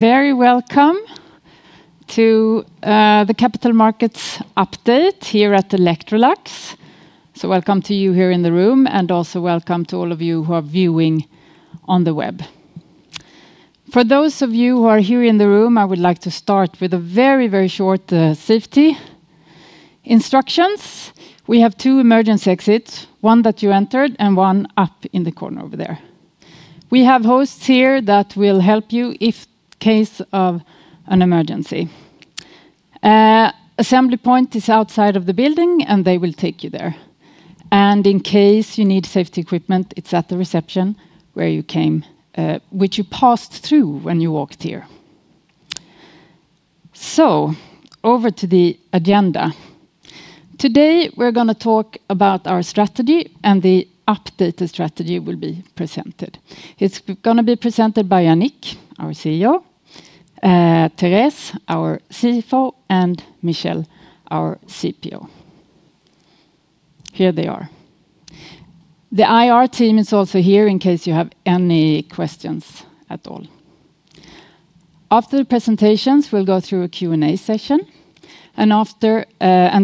Very welcome to the capital markets update here at Electrolux. So welcome to you here in the room, and also welcome to all of you who are viewing on the web. For those of you who are here in the room, I would like to start with a very, very short safety instructions. We have two emergency exits, one that you entered and one up in the corner over there. We have hosts here that will help you in case of an emergency. Assembly point is outside of the building, and they will take you there. And in case you need safety equipment, it's at the reception where you came, which you passed through when you walked here. So over to the agenda. Today we're going to talk about our strategy, and the updated strategy will be presented. It's going to be presented by Yannick, our CEO, Therese, our CFO, and Michelle, our CPO. Here they are. The IR team is also here in case you have any questions at all. After the presentations, we'll go through a Q&A session. And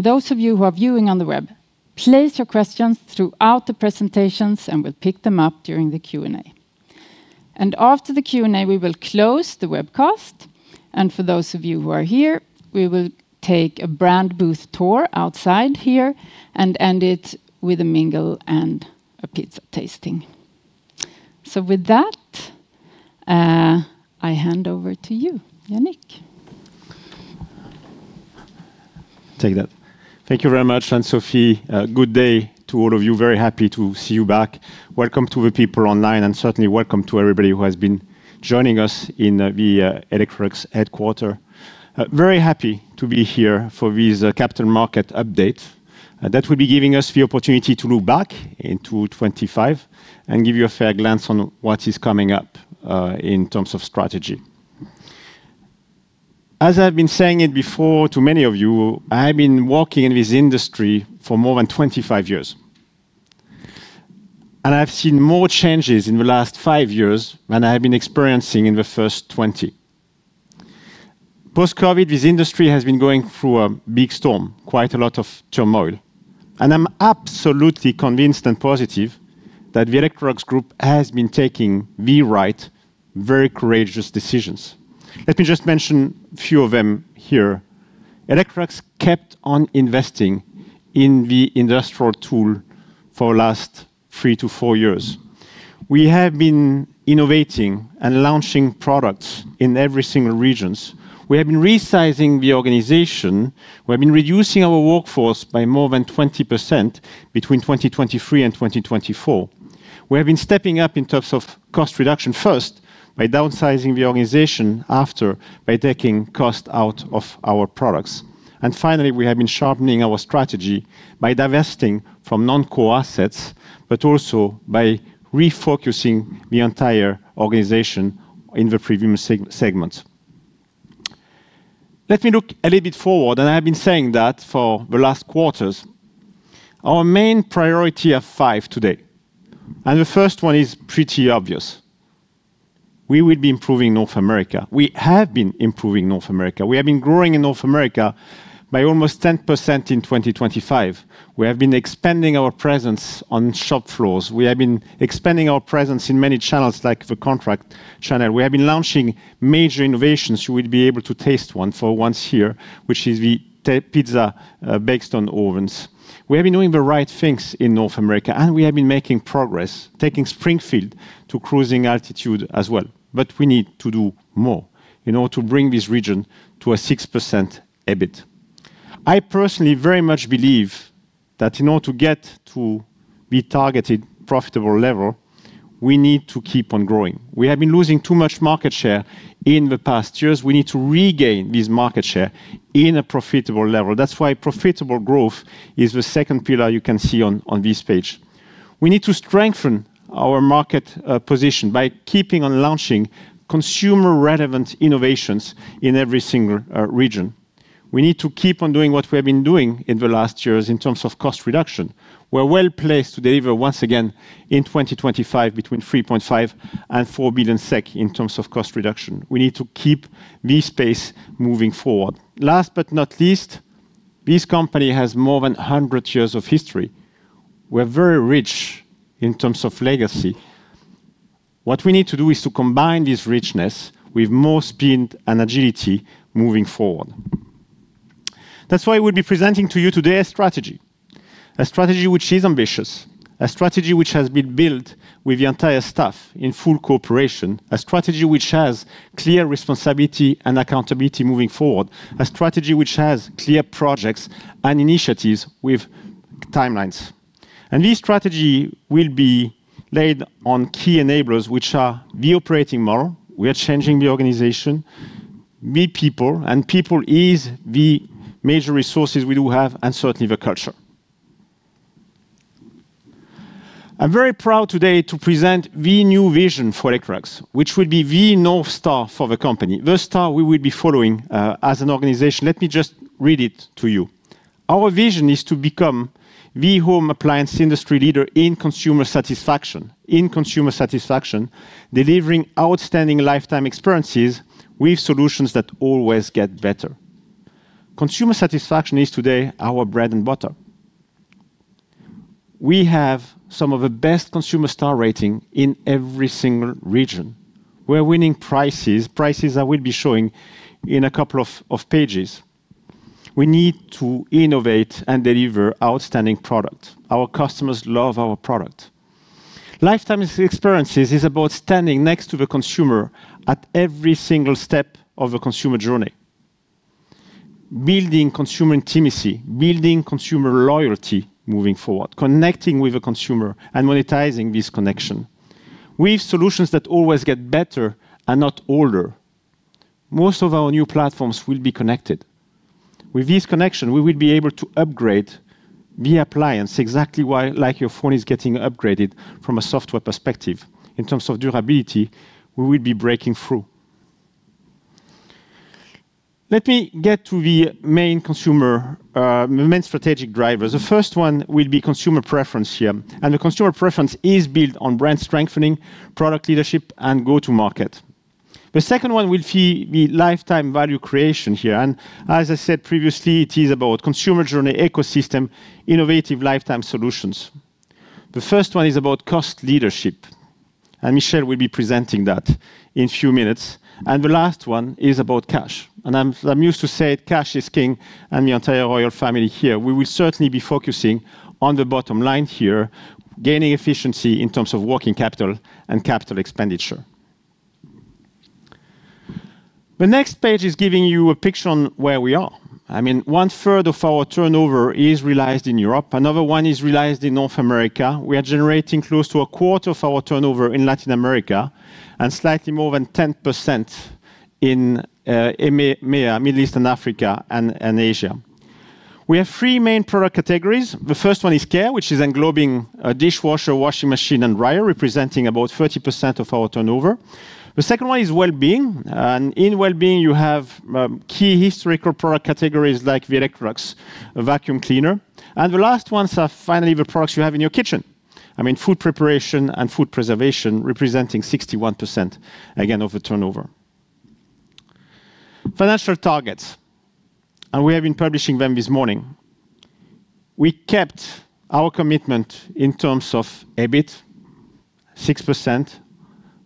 those of you who are viewing on the web, place your questions throughout the presentations, and we'll pick them up during the Q&A. And after the Q&A, we will close the webcast. And for those of you who are here, we will take a brand booth tour outside here and end it with a mingle and a pizza tasting. So with that, I hand over to you, Yannick. Take that. Thank you very much, Ann-Sofi. Good day to all of you. Very happy to see you back. Welcome to the people online, and certainly welcome to everybody who has been joining us in the Electrolux headquarters. Very happy to be here for this capital market update that will be giving us the opportunity to look back into 2025 and give you a fair glance on what is coming up in terms of strategy. As I've been saying it before to many of you, I've been working in this industry for more than 25 years, and I've seen more changes in the last five years than I've been experiencing in the first 20. Post-COVID, this industry has been going through a big storm, quite a lot of turmoil, and I'm absolutely convinced and positive that the Electrolux Group has been taking the right, very courageous decisions. Let me just mention a few of them here. Electrolux kept on investing in the industrial tool for the last three to four years. We have been innovating and launching products in every single region. We have been resizing the organization. We have been reducing our workforce by more than 20% between 2023 and 2024. We have been stepping up in terms of cost reduction first by downsizing the organization after by taking cost out of our products, and finally, we have been sharpening our strategy by divesting from non-core assets, but also by refocusing the entire organization in the premium segment. Let me look a little bit forward, and I have been saying that for the last quarters. Our main priority of five today, and the first one is pretty obvious. We will be improving North America. We have been improving North America. We have been growing in North America by almost 10% in 2025. We have been expanding our presence on shop floors. We have been expanding our presence in many channels like the contract channel. We have been launching major innovations. You will be able to taste one for once here, which is the pizza bake ovens. We have been doing the right things in North America, and we have been making progress, taking Springfield to cruising altitude as well. But we need to do more in order to bring this region to a 6% EBIT. I personally very much believe that in order to get to the targeted profitable level, we need to keep on growing. We have been losing too much market share in the past years. We need to regain this market share in a profitable level. That's why profitable growth is the second pillar you can see on this page. We need to strengthen our market position by keeping on launching consumer-relevant innovations in every single region. We need to keep on doing what we have been doing in the last years in terms of cost reduction. We're well placed to deliver once again in 2025 between 3.5 billion and 4 billion SEK in terms of cost reduction. We need to keep this pace moving forward. Last but not least, this company has more than 100 years of history. We're very rich in terms of legacy. What we need to do is to combine this richness with more speed and agility moving forward. That's why we'll be presenting to you today a strategy. A strategy which is ambitious, a strategy which has been built with the entire staff in full cooperation, a strategy which has clear responsibility and accountability moving forward, a strategy which has clear projects and initiatives with timelines, and this strategy will be laid on key enablers which are the operating model. We are changing the organization, the people, and people is the major resources we do have and certainly the culture. I'm very proud today to present the new vision for Electrolux, which will be the North Star for the company. The star we will be following as an organization. Let me just read it to you. Our vision is to become the home appliance industry leader in consumer satisfaction, in consumer satisfaction, delivering outstanding lifetime experiences with solutions that always get better. Consumer satisfaction is today our bread and butter. We have some of the best consumer star ratings in every single region. We're winning prizes, prizes I will be showing in a couple of pages. We need to innovate and deliver outstanding products. Our customers love our product. Lifetime experiences is about standing next to the consumer at every single step of the consumer journey, building consumer intimacy, building consumer loyalty moving forward, connecting with the consumer and monetizing this connection with solutions that always get better and not older. Most of our new platforms will be connected. With this connection, we will be able to upgrade the appliance exactly like your phone is getting upgraded from a software perspective. In terms of durability, we will be breaking through. Let me get to the main consumer, main strategic drivers. The first one will be consumer preference here, and the consumer preference is built on brand strengthening, product leadership, and go-to-market. The second one will be lifetime value creation here, and as I said previously, it is about consumer journey ecosystem, innovative lifetime solutions. The first one is about cost leadership, and Michelle will be presenting that in a few minutes. And the last one is about cash. And I'm used to saying cash is king and the entire royal family here. We will certainly be focusing on the bottom line here, gaining efficiency in terms of working capital and capital expenditure. The next page is giving you a picture on where we are. I mean, one third of our turnover is realized in Europe. Another one is realized in North America. We are generating close to a quarter of our turnover in Latin America and slightly more than 10% in Middle East, Africa, and Asia. We have three main product categories. The first one is care, which is encompassing a dishwasher, washing machine, and dryer, representing about 30% of our turnover. The second one is well-being, and in well-being, you have key historical product categories like the Electrolux vacuum cleaner. And the last ones are finally the products you have in your kitchen. I mean, food preparation and food preservation representing 61% again of the turnover. Financial targets, and we have been publishing them this morning. We kept our commitment in terms of EBIT, 6%.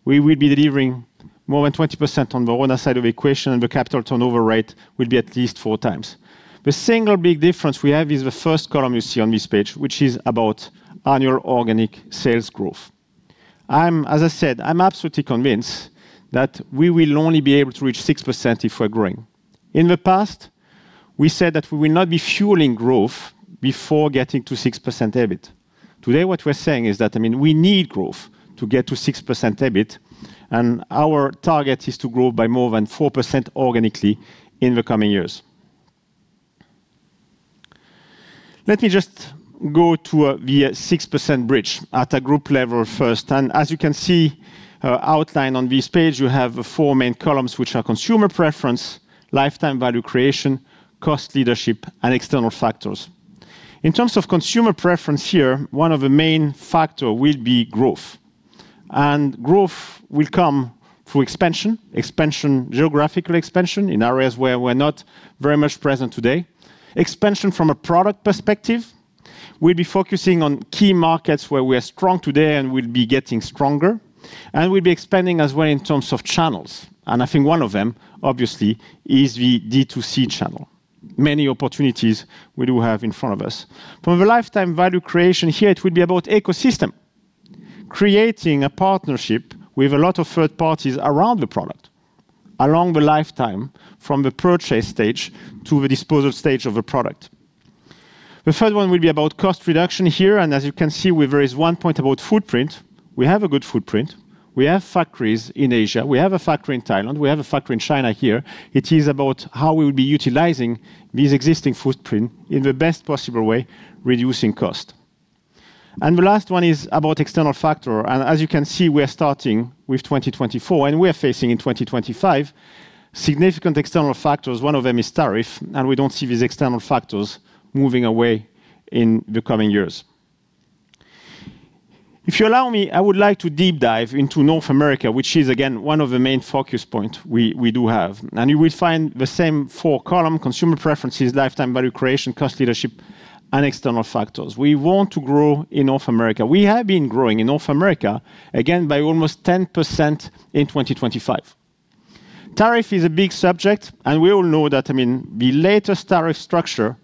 We will be delivering more than 20% on the RONA side of the equation, and the capital turnover rate will be at least 4x. The single big difference we have is the first column you see on this page, which is about annual organic sales growth. As I said, I'm absolutely convinced that we will only be able to reach 6% if we're growing. In the past, we said that we will not be fueling growth before getting to 6% EBIT. Today, what we're saying is that, I mean, we need growth to get to 6% EBIT, and our target is to grow by more than 4% organically in the coming years. Let me just go to the 6% bridge at a group level first, and as you can see outlined on this page, you have four main columns, which are consumer preference, lifetime value creation, cost leadership, and external factors. In terms of consumer preference here, one of the main factors will be growth. Growth will come through expansion, geographical expansion in areas where we're not very much present today. Expansion from a product perspective. We'll be focusing on key markets where we are strong today and will be getting stronger. And we'll be expanding as well in terms of channels. And I think one of them, obviously, is the D2C channel. Many opportunities we do have in front of us. From the lifetime value creation here, it will be about ecosystem, creating a partnership with a lot of third parties around the product along the lifetime, from the purchase stage to the disposal stage of the product. The third one will be about cost reduction here. And as you can see, there is one point about footprint. We have a good footprint. We have factories in Asia. We have a factory in Thailand. We have a factory in China here. It is about how we will be utilizing these existing footprints in the best possible way, reducing cost, and the last one is about external factors. As you can see, we are starting with 2024, and we are facing in 2025 significant external factors. One of them is tariff, and we don't see these external factors moving away in the coming years. If you allow me, I would like to deep dive into North America, which is, again, one of the main focus points we do have. You will find the same four columns: consumer preferences, lifetime value creation, cost leadership, and external factors. We want to grow in North America. We have been growing in North America, again, by almost 10% in 2025. Tariff is a big subject, and we all know that. I mean, the latest tariff structure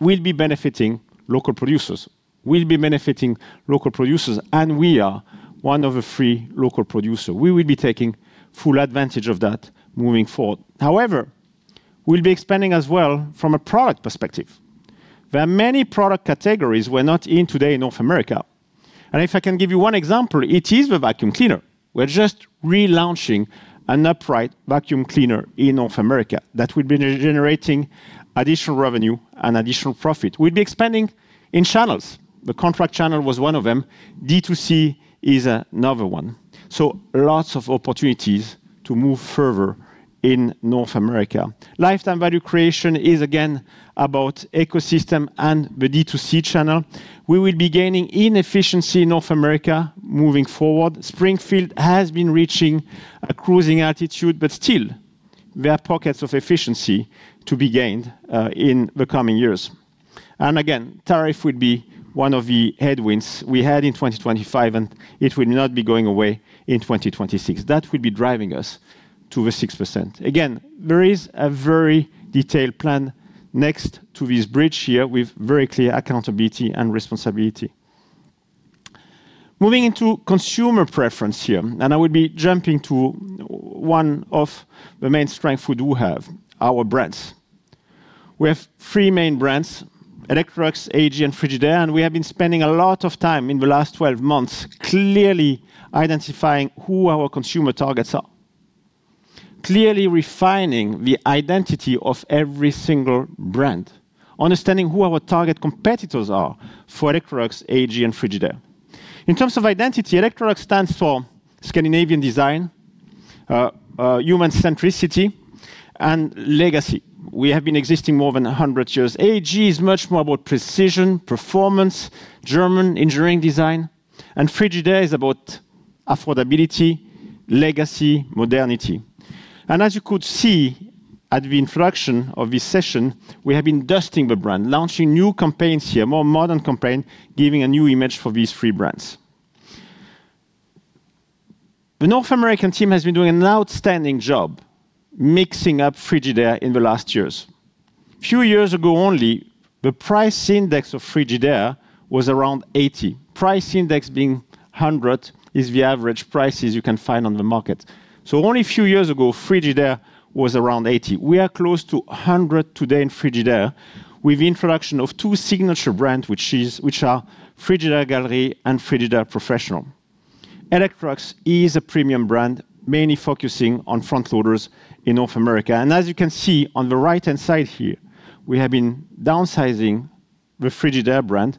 will be benefiting local producers, will be benefiting local producers, and we are one of the three local producers. We will be taking full advantage of that moving forward. However, we'll be expanding as well from a product perspective. There are many product categories we're not in today in North America, and if I can give you one example, it is the vacuum cleaner. We're just relaunching an upright vacuum cleaner in North America that will be generating additional revenue and additional profit. We'll be expanding in channels. The contract channel was one of them. D2C is another one, so lots of opportunities to move further in North America. Lifetime value creation is, again, about ecosystem and the D2C channel. We will be gaining in efficiency in North America moving forward. Springfield has been reaching a cruising altitude, but still, there are pockets of efficiency to be gained in the coming years. Again, tariff would be one of the headwinds we had in 2025, and it will not be going away in 2026. That will be driving us to the 6%. Again, there is a very detailed plan next to this bridge here with very clear accountability and responsibility. Moving into consumer preference here, and I will be jumping to one of the main strengths we do have, our brands. We have three main brands: Electrolux, AEG, and Frigidaire. We have been spending a lot of time in the last 12 months clearly identifying who our consumer targets are, clearly refining the identity of every single brand, understanding who our target competitors are for Electrolux, AEG, and Frigidaire. In terms of identity, Electrolux stands for Scandinavian design, human centricity, and legacy. We have been existing more than 100 years. AEG is much more about precision, performance, German engineering design, and Frigidaire is about affordability, legacy, modernity. And as you could see at the introduction of this session, we have been dusting the brand, launching new campaigns here, more modern campaigns, giving a new image for these three brands. The North American team has been doing an outstanding job mixing up Frigidaire in the last years. A few years ago only, the price index of Frigidaire was around 80. Price index being 100 is the average prices you can find on the market. So only a few years ago, Frigidaire was around 80. We are close to 100 today in Frigidaire with the introduction of two signature brands, which are Frigidaire Gallery and Frigidaire Professional. Electrolux is a premium brand, mainly focusing on front loaders in North America, and as you can see on the right-hand side here, we have been downsizing the Frigidaire brand,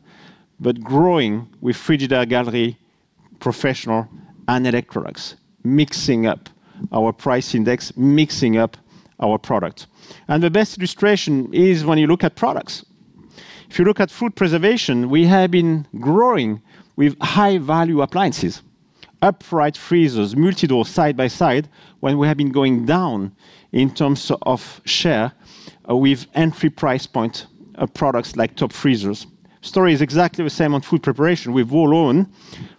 but growing with Frigidaire Gallery, Professional, and Electrolux, mixing up our price index, mixing up our product, and the best illustration is when you look at products. If you look at food preservation, we have been growing with high-value appliances, upright freezers, multi-door side-by-side, when we have been going down in terms of share with entry price point products like top freezers. Story is exactly the same on food preparation. We have grown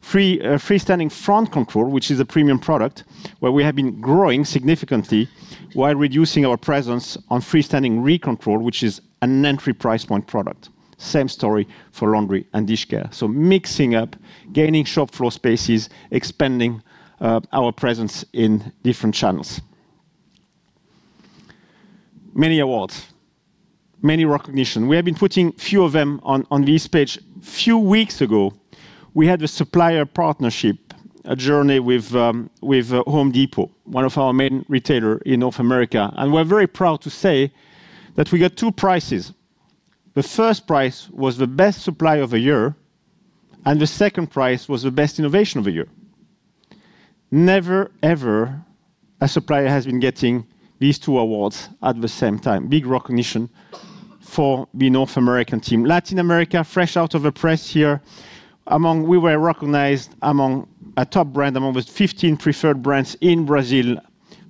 freestanding front control, which is a premium product, where we have been growing significantly while reducing our presence on freestanding rear control, which is an entry price point product. Same story for laundry and dish care. So, mixing up, gaining shop floor spaces, expanding our presence in different channels. Many awards, many recognitions. We have been putting a few of them on this page. A few weeks ago, we had a supplier partnership journey with Home Depot, one of our main retailers in North America. And we're very proud to say that we got two prizes. The first prize was the best supplier of the year, and the second prize was the best innovation of the year. Never ever a supplier has been getting these two awards at the same time. Big recognition for the North American team. Latin America, fresh out of the press here. We were recognized among a top brand, among the 15 preferred brands in Brazil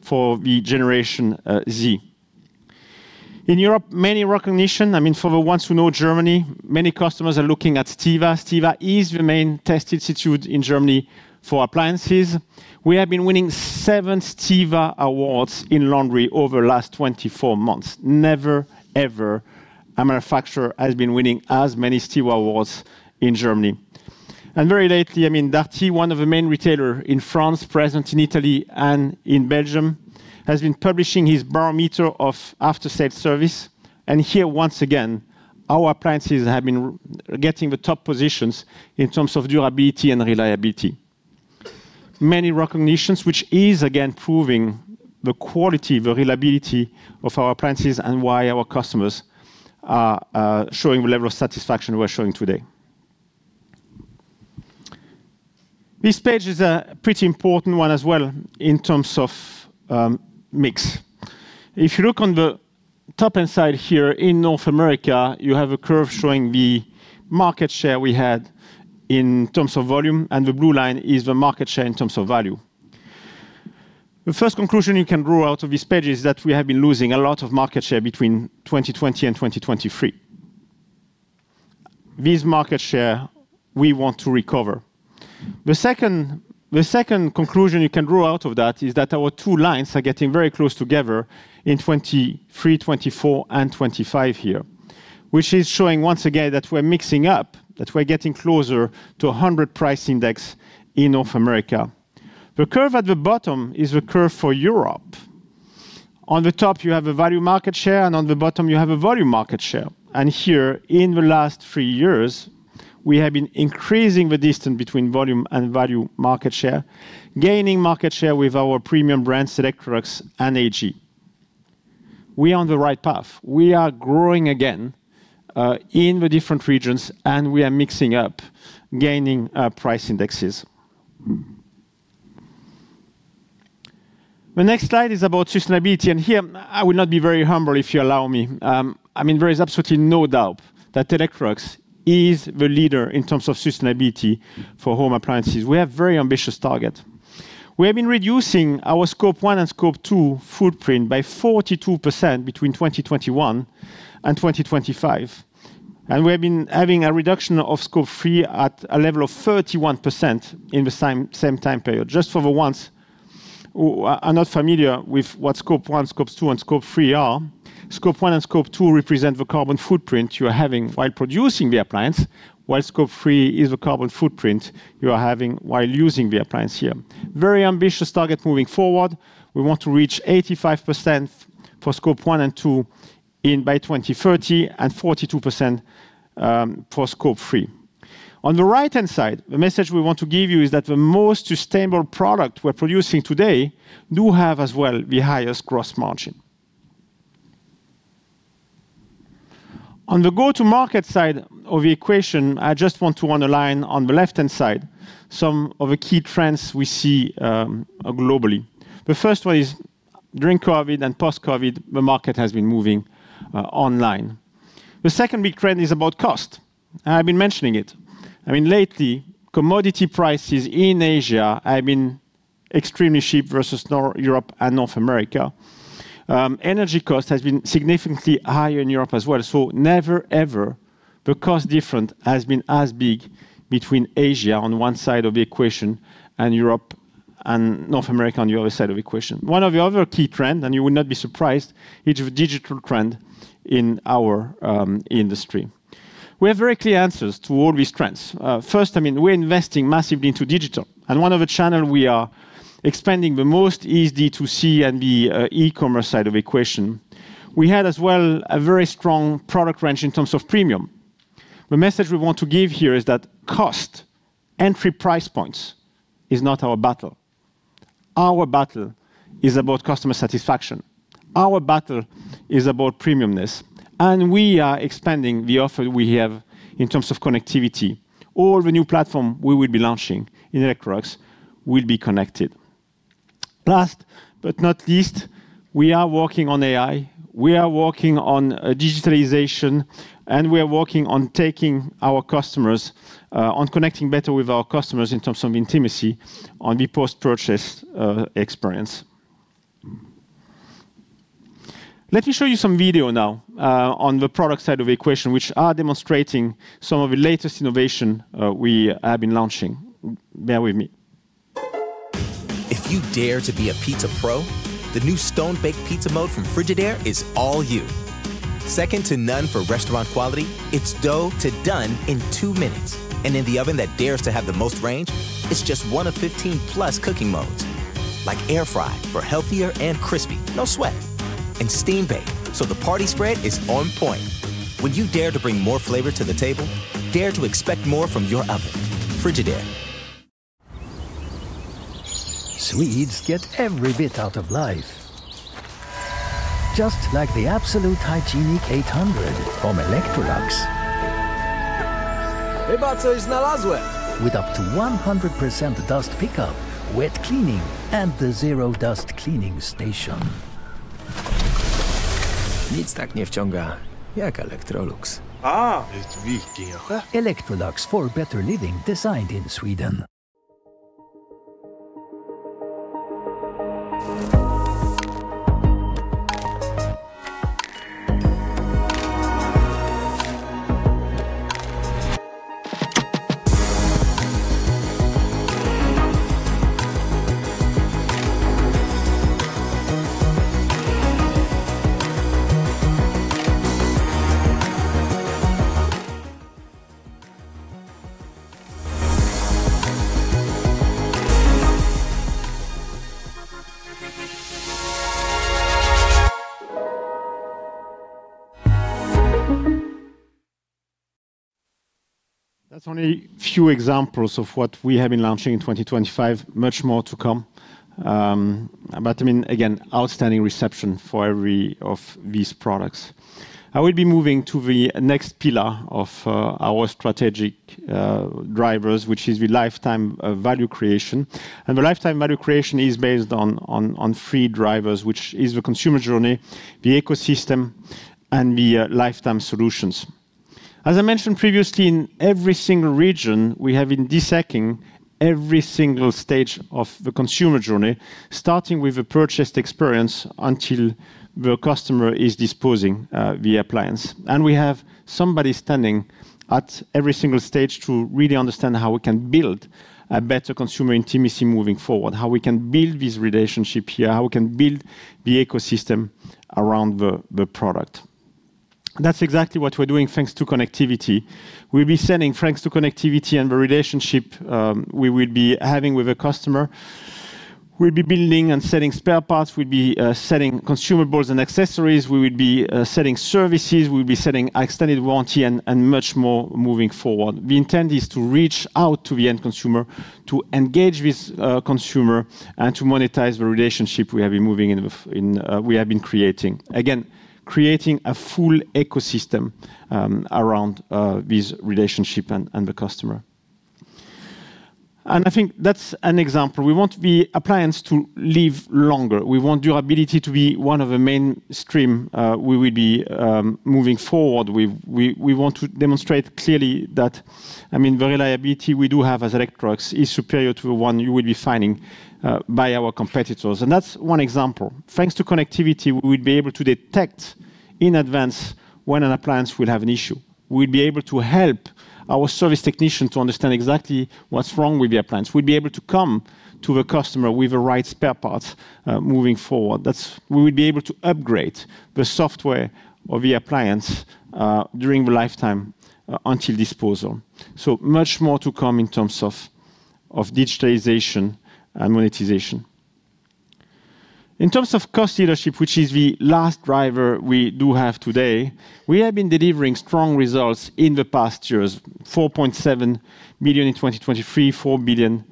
for the Generation Z. In Europe, many recognitions. I mean, for the ones who know Germany, many customers are looking at StiWa. StiWa is the main test institute in Germany for appliances. We have been winning seven StiWa awards in laundry over the last 24 months. Never ever a manufacturer has been winning as many StiWa awards in Germany. And very lately, I mean, Darty, one of the main retailers in France, present in Italy and in Belgium, has been publishing his barometer of after-sales service. And here, once again, our appliances have been getting the top positions in terms of durability and reliability. Many recognitions, which is, again, proving the quality, the reliability of our appliances and why our customers are showing the level of satisfaction we're showing today. This page is a pretty important one as well in terms of mix. If you look on the top and side here in North America, you have a curve showing the market share we had in terms of volume, and the blue line is the market share in terms of value. The first conclusion you can draw out of this page is that we have been losing a lot of market share between 2020 and 2023. This market share, we want to recover. The second conclusion you can draw out of that is that our two lines are getting very close together in 2023, 2024, and 2025 here, which is showing once again that we're mixing up, that we're getting closer to a 100 price index in North America. The curve at the bottom is the curve for Europe. On the top, you have a value market share, and on the bottom, you have a volume market share. Here, in the last three years, we have been increasing the distance between volume and value market share, gaining market share with our premium brands, Electrolux and AEG. We are on the right path. We are growing again in the different regions, and we are mixing up, gaining price indexes. The next slide is about sustainability. Here, I will not be very humble if you allow me. I mean, there is absolutely no doubt that Electrolux is the leader in terms of sustainability for home appliances. We have very ambitious targets. We have been reducing our Scope 1 and Scope 2 footprint by 42% between 2021 and 2025. We have been having a reduction of Scope 3 at a level of 31% in the same time period. Just for the ones who are not familiar with what scope one, scope two, and scope three are, scope one and scope two represent the carbon footprint you are having while producing the appliance, while scope three is the carbon footprint you are having while using the appliance here. Very ambitious target moving forward. We want to reach 85% for scope one and two by 2030 and 42% for scope three. On the right-hand side, the message we want to give you is that the most sustainable product we're producing today do have as well the highest gross margin. On the go-to-market side of the equation, I just want to underline on the left-hand side some of the key trends we see globally. The first one is during COVID and post-COVID, the market has been moving online. The second big trend is about cost, and I've been mentioning it. I mean, lately, commodity prices in Asia have been extremely cheap versus North Europe and North America. Energy cost has been significantly higher in Europe as well. So never ever the cost difference has been as big between Asia on one side of the equation and Europe and North America on the other side of the equation. One of the other key trends, and you would not be surprised, is the digital trend in our industry. We have very clear answers to all these trends. First, I mean, we're investing massively into digital. And one of the channels we are expanding the most is the D2C and the e-commerce side of the equation. We had as well a very strong product range in terms of premium. The message we want to give here is that cost, entry price points, is not our battle. Our battle is about customer satisfaction. Our battle is about premiumness, and we are expanding the offer we have in terms of connectivity. All the new platforms we will be launching in Electrolux will be connected. Last but not least, we are working on AI. We are working on digitalization, and we are working on taking our customers, on connecting better with our customers in terms of intimacy on the post-purchase experience. Let me show you some video now on the product side of the equation, which are demonstrating some of the latest innovation we have been launching. Bear with me. If you dare to be a pizza pro, the new StoneBake Pizza Mode from Frigidaire is all you. Second to none for restaurant quality, it's dough to done in two minutes. And in the oven that dares to have the most range, it's just one of 15 plus cooking modes, like air fry for healthier and crispy, no sweat, and steam-baked so the party spread is on point. When you dare to bring more flavor to the table, dare to expect more from your oven, Frigidaire. Swedes get every bit out of life. Just like the Absolute Hygienic 800 from Electrolux. Chyba coś znalazłem. With up to 100% dust pickup, wet cleaning, and the zero dust cleaning station. Nic tak nie wciąga jak Electrolux. An Electrolux for better living designed in Sweden. That's only a few examples of what we have been launching in 2025. Much more to come. But I mean, again, outstanding reception for every of these products. I will be moving to the next pillar of our strategic drivers, which is the lifetime value creation. The lifetime value creation is based on three drivers, which are the consumer journey, the ecosystem, and the lifetime solutions. As I mentioned previously, in every single region, we have been dissecting every single stage of the consumer journey, starting with the purchase experience until the customer is disposing of the appliance. We have somebody standing at every single stage to really understand how we can build a better consumer intimacy moving forward, how we can build this relationship here, how we can build the ecosystem around the product. That's exactly what we're doing thanks to connectivity. We'll be sending thanks to connectivity and the relationship we will be having with the customer. We'll be building and selling spare parts. We'll be selling consumables and accessories. We will be selling services. We'll be selling extended warranty and much more moving forward. The intent is to reach out to the end consumer, to engage with the consumer, and to monetize the relationship we have been moving in, we have been creating a full ecosystem around this relationship and the customer, and I think that's an example. We want the appliance to live longer. We want durability to be one of the mainstream we will be moving forward with. We want to demonstrate clearly that, I mean, the reliability we do have as Electrolux is superior to the one you will be finding by our competitors, and that's one example. Thanks to connectivity, we will be able to detect in advance when an appliance will have an issue. We'll be able to help our service technicians to understand exactly what's wrong with the appliance. We'll be able to come to the customer with the right spare parts moving forward. We will be able to upgrade the software of the appliance during the lifetime until disposal. So much more to come in terms of digitalization and monetization. In terms of cost leadership, which is the last driver we do have today, we have been delivering strong results in the past years: 4.7 billion in 2023, 4 billion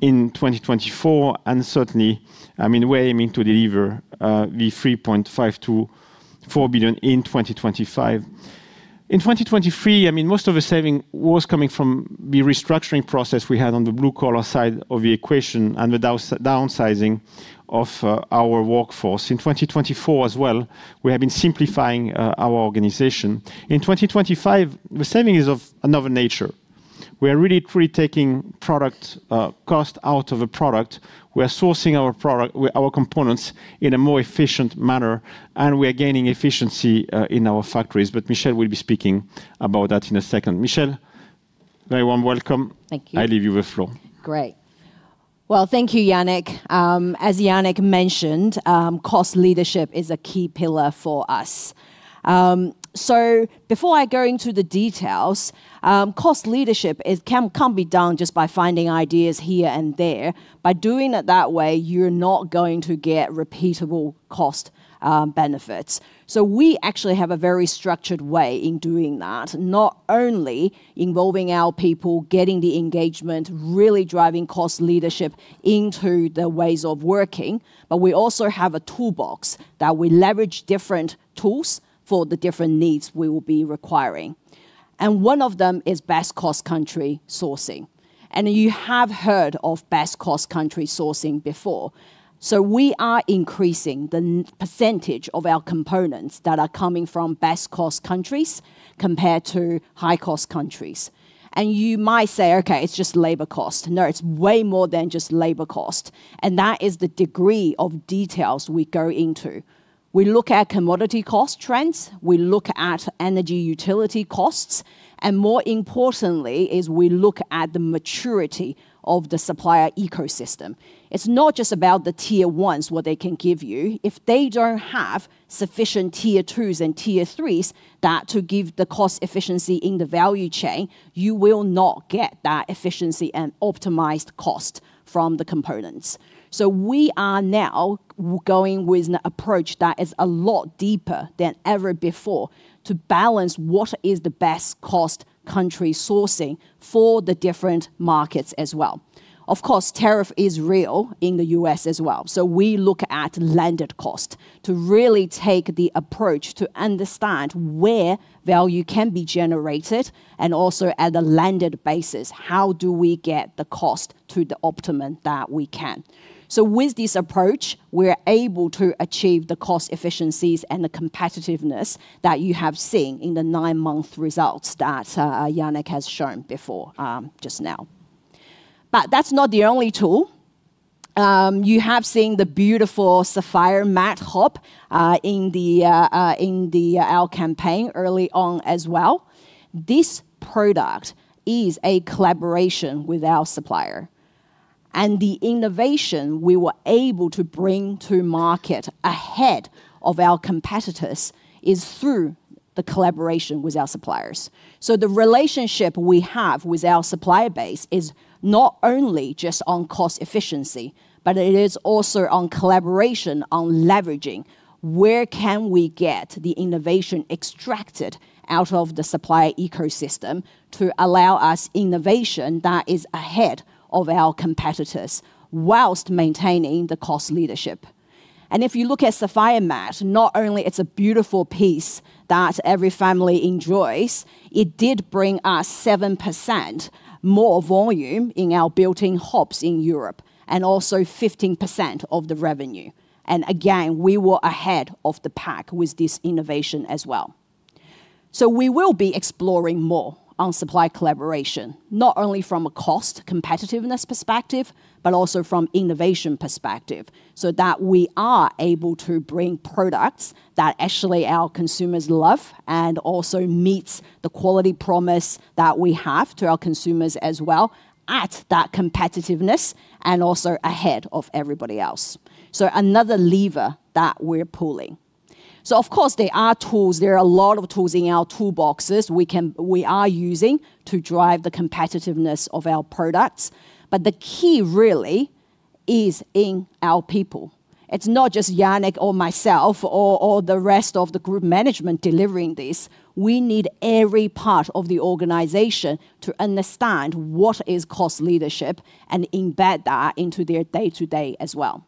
in 2024, and certainly, I mean, we're aiming to deliver the 3.5 billion-4 billion in 2025. In 2023, I mean, most of the saving was coming from the restructuring process we had on the blue-collar side of the equation and the downsizing of our workforce. In 2024 as well, we have been simplifying our organization. In 2025, the saving is of another nature. We are really truly taking product cost out of a product. We are sourcing our product, our components in a more efficient manner, and we are gaining efficiency in our factories. But Michelle will be speaking about that in a second. Michelle, very warm welcome. Thank you. I leave you the floor. Great. Well, thank you, Yannick. As Yannick mentioned, cost leadership is a key pillar for us. So before I go into the details, cost leadership can't be done just by finding ideas here and there. By doing it that way, you're not going to get repeatable cost benefits. So we actually have a very structured way in doing that, not only involving our people, getting the engagement, really driving cost leadership into the ways of working, but we also have a toolbox that we leverage different tools for the different needs we will be requiring. And one of them is best cost country sourcing. You have heard of best cost country sourcing before. We are increasing the percentage of our components that are coming from best cost countries compared to high cost countries. You might say, "Okay, it's just labor cost." No, it's way more than just labor cost. That is the degree of details we go into. We look at commodity cost trends. We look at energy utility costs. More importantly, we look at the maturity of the supplier ecosystem. It's not just about the tier ones, what they can give you. If they don't have sufficient tier twos and tier threes to give the cost efficiency in the value chain, you will not get that efficiency and optimized cost from the components. So we are now going with an approach that is a lot deeper than ever before to balance what is the best cost country sourcing for the different markets as well. Of course, tariff is real in the U.S. as well. So we look at landed cost to really take the approach to understand where value can be generated and also at a landed basis, how do we get the cost to the optimum that we can. So with this approach, we're able to achieve the cost efficiencies and the competitiveness that you have seen in the nine-month results that Yannick has shown before just now. But that's not the only tool. You have seen the beautiful SaphirMatt hob in our campaign early on as well. This product is a collaboration with our supplier. The innovation we were able to bring to market ahead of our competitors is through the collaboration with our suppliers. The relationship we have with our supplier base is not only just on cost efficiency, but it is also on collaboration on leveraging where can we get the innovation extracted out of the supplier ecosystem to allow us innovation that is ahead of our competitors while maintaining the cost leadership. If you look at SaphirMatt, not only is it a beautiful piece that every family enjoys, it did bring us 7% more volume in our built-in hobs in Europe and also 15% of the revenue. Again, we were ahead of the pack with this innovation as well. So we will be exploring more on supply collaboration, not only from a cost competitiveness perspective, but also from innovation perspective so that we are able to bring products that actually our consumers love and also meet the quality promise that we have to our consumers as well at that competitiveness and also ahead of everybody else. So another lever that we're pulling. So of course, there are tools. There are a lot of tools in our toolboxes we are using to drive the competitiveness of our products. But the key really is in our people. It's not just Yannick or myself or the rest of the group management delivering this. We need every part of the organization to understand what is cost leadership and embed that into their day-to-day as well.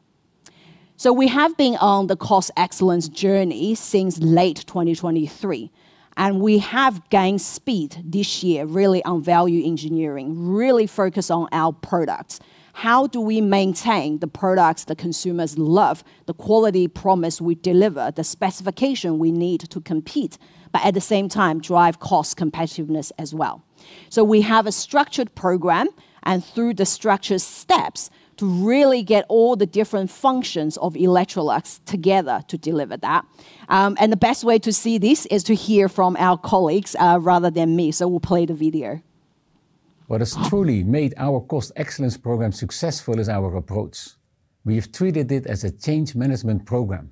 So we have been on the cost excellence journey since late 2023. We have gained speed this year really on value engineering, really focused on our products. How do we maintain the products the consumers love, the quality promise we deliver, the specification we need to compete, but at the same time drive cost competitiveness as well? We have a structured program and through the structured steps to really get all the different functions of Electrolux together to deliver that. The best way to see this is to hear from our colleagues rather than me. We'll play the video. What has truly made our Cost Excellence Program successful is our approach. We have treated it as a change management program,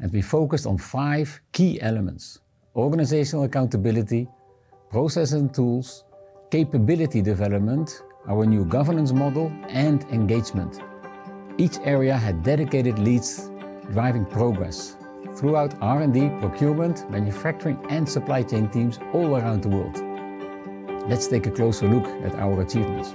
and we focused on five key elements: organizational accountability, process and tools, capability development, our new governance model, and engagement. Each area had dedicated leads driving progress throughout R&D, procurement, manufacturing, and supply chain teams all around the world. Let's take a closer look at our achievements.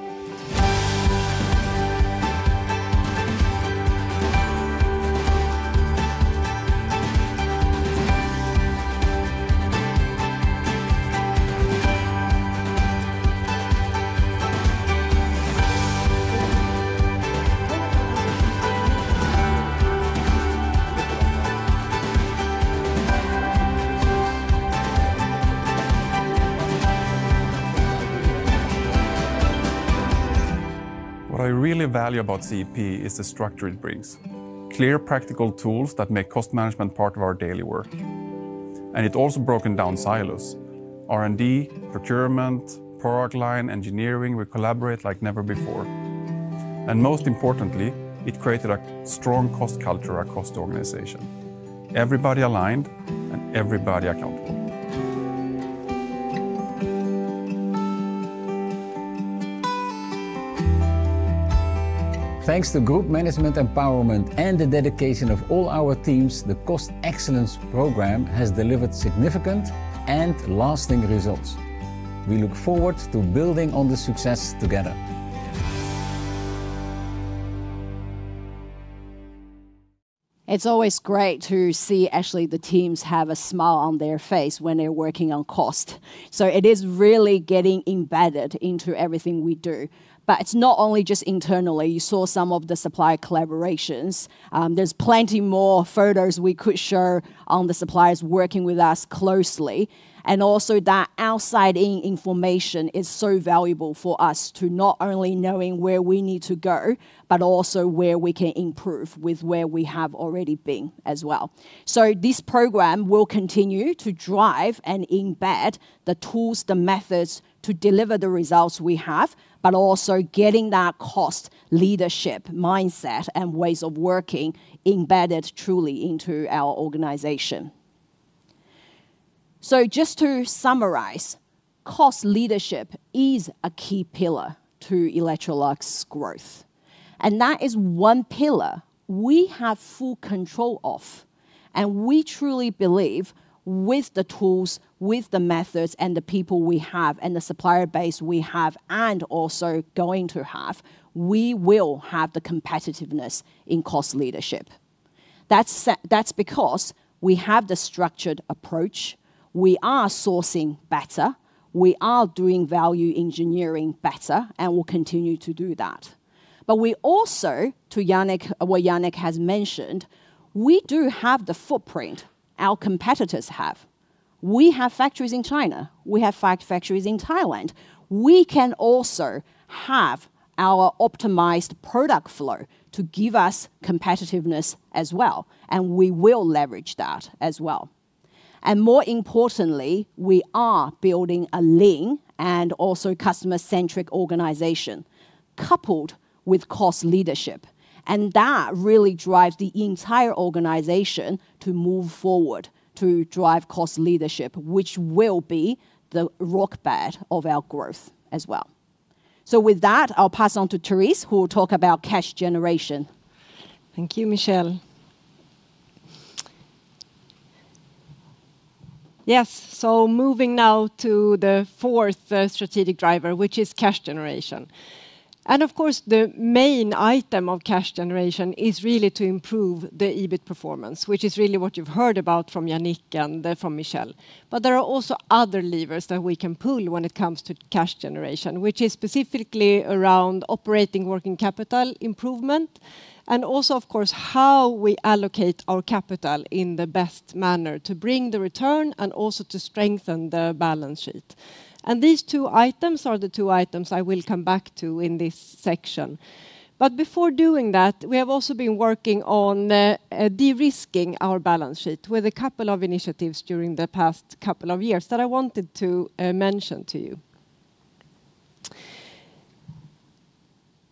What I really value about CEP is the structure it brings: clear practical tools that make cost management part of our daily work, and it also broke down silos: R&D, procurement, product line, engineering. We collaborate like never before, and most importantly, it created a strong cost culture across the organization: everybody aligned and everybody accountable. Thanks to group management empowerment and the dedication of all our teams, the Cost Excellence Program has delivered significant and lasting results. We look forward to building on the success together. It's always great to see actually the teams have a smile on their face when they're working on cost, so it is really getting embedded into everything we do, but it's not only just internally. You saw some of the supplier collaborations. There's plenty more photos we could show on the suppliers working with us closely, and also that outside-in information is so valuable for us to not only knowing where we need to go, but also where we can improve with where we have already been as well, so this program will continue to drive and embed the tools, the methods to deliver the results we have, but also getting that cost leadership mindset and ways of working embedded truly into our organization, so just to summarize, cost leadership is a key pillar to Electrolux's growth, and that is one pillar we have full control of, and we truly believe with the tools, with the methods, and the people we have and the supplier base we have and also going to have, we will have the competitiveness in cost leadership. That's because we have the structured approach. We are sourcing better. We are doing value engineering better, and we'll continue to do that, but we also, to what Yannick has mentioned, we do have the footprint our competitors have. We have factories in China. We have factories in Thailand. We can also have our optimized product flow to give us competitiveness as well, and we will leverage that as well, and more importantly, we are building a lean and also customer-centric organization coupled with cost leadership, and that really drives the entire organization to move forward to drive cost leadership, which will be the bedrock of our growth as well, so with that, I'll pass on to Therese, who will talk about cash generation. Thank you, Michelle. Yes, so moving now to the fourth strategic driver, which is cash generation. And of course, the main item of cash generation is really to improve the EBIT performance, which is really what you've heard about from Yannick and from Michelle. But there are also other levers that we can pull when it comes to cash generation, which is specifically around operating working capital improvement and also, of course, how we allocate our capital in the best manner to bring the return and also to strengthen the balance sheet. And these two items are the two items I will come back to in this section. But before doing that, we have also been working on de-risking our balance sheet with a couple of initiatives during the past couple of years that I wanted to mention to you.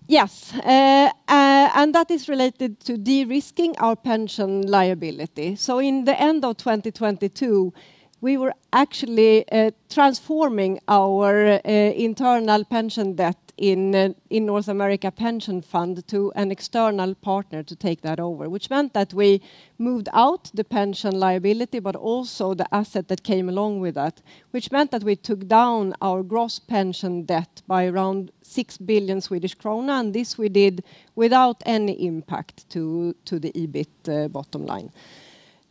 Yes. And that is related to de-risking our pension liability. So in the end of 2022, we were actually transforming our internal pension debt in North America Pension Fund to an external partner to take that over, which meant that we moved out the pension liability, but also the asset that came along with that, which meant that we took down our gross pension debt by around 6 billion Swedish krona. And this we did without any impact to the EBIT bottom line.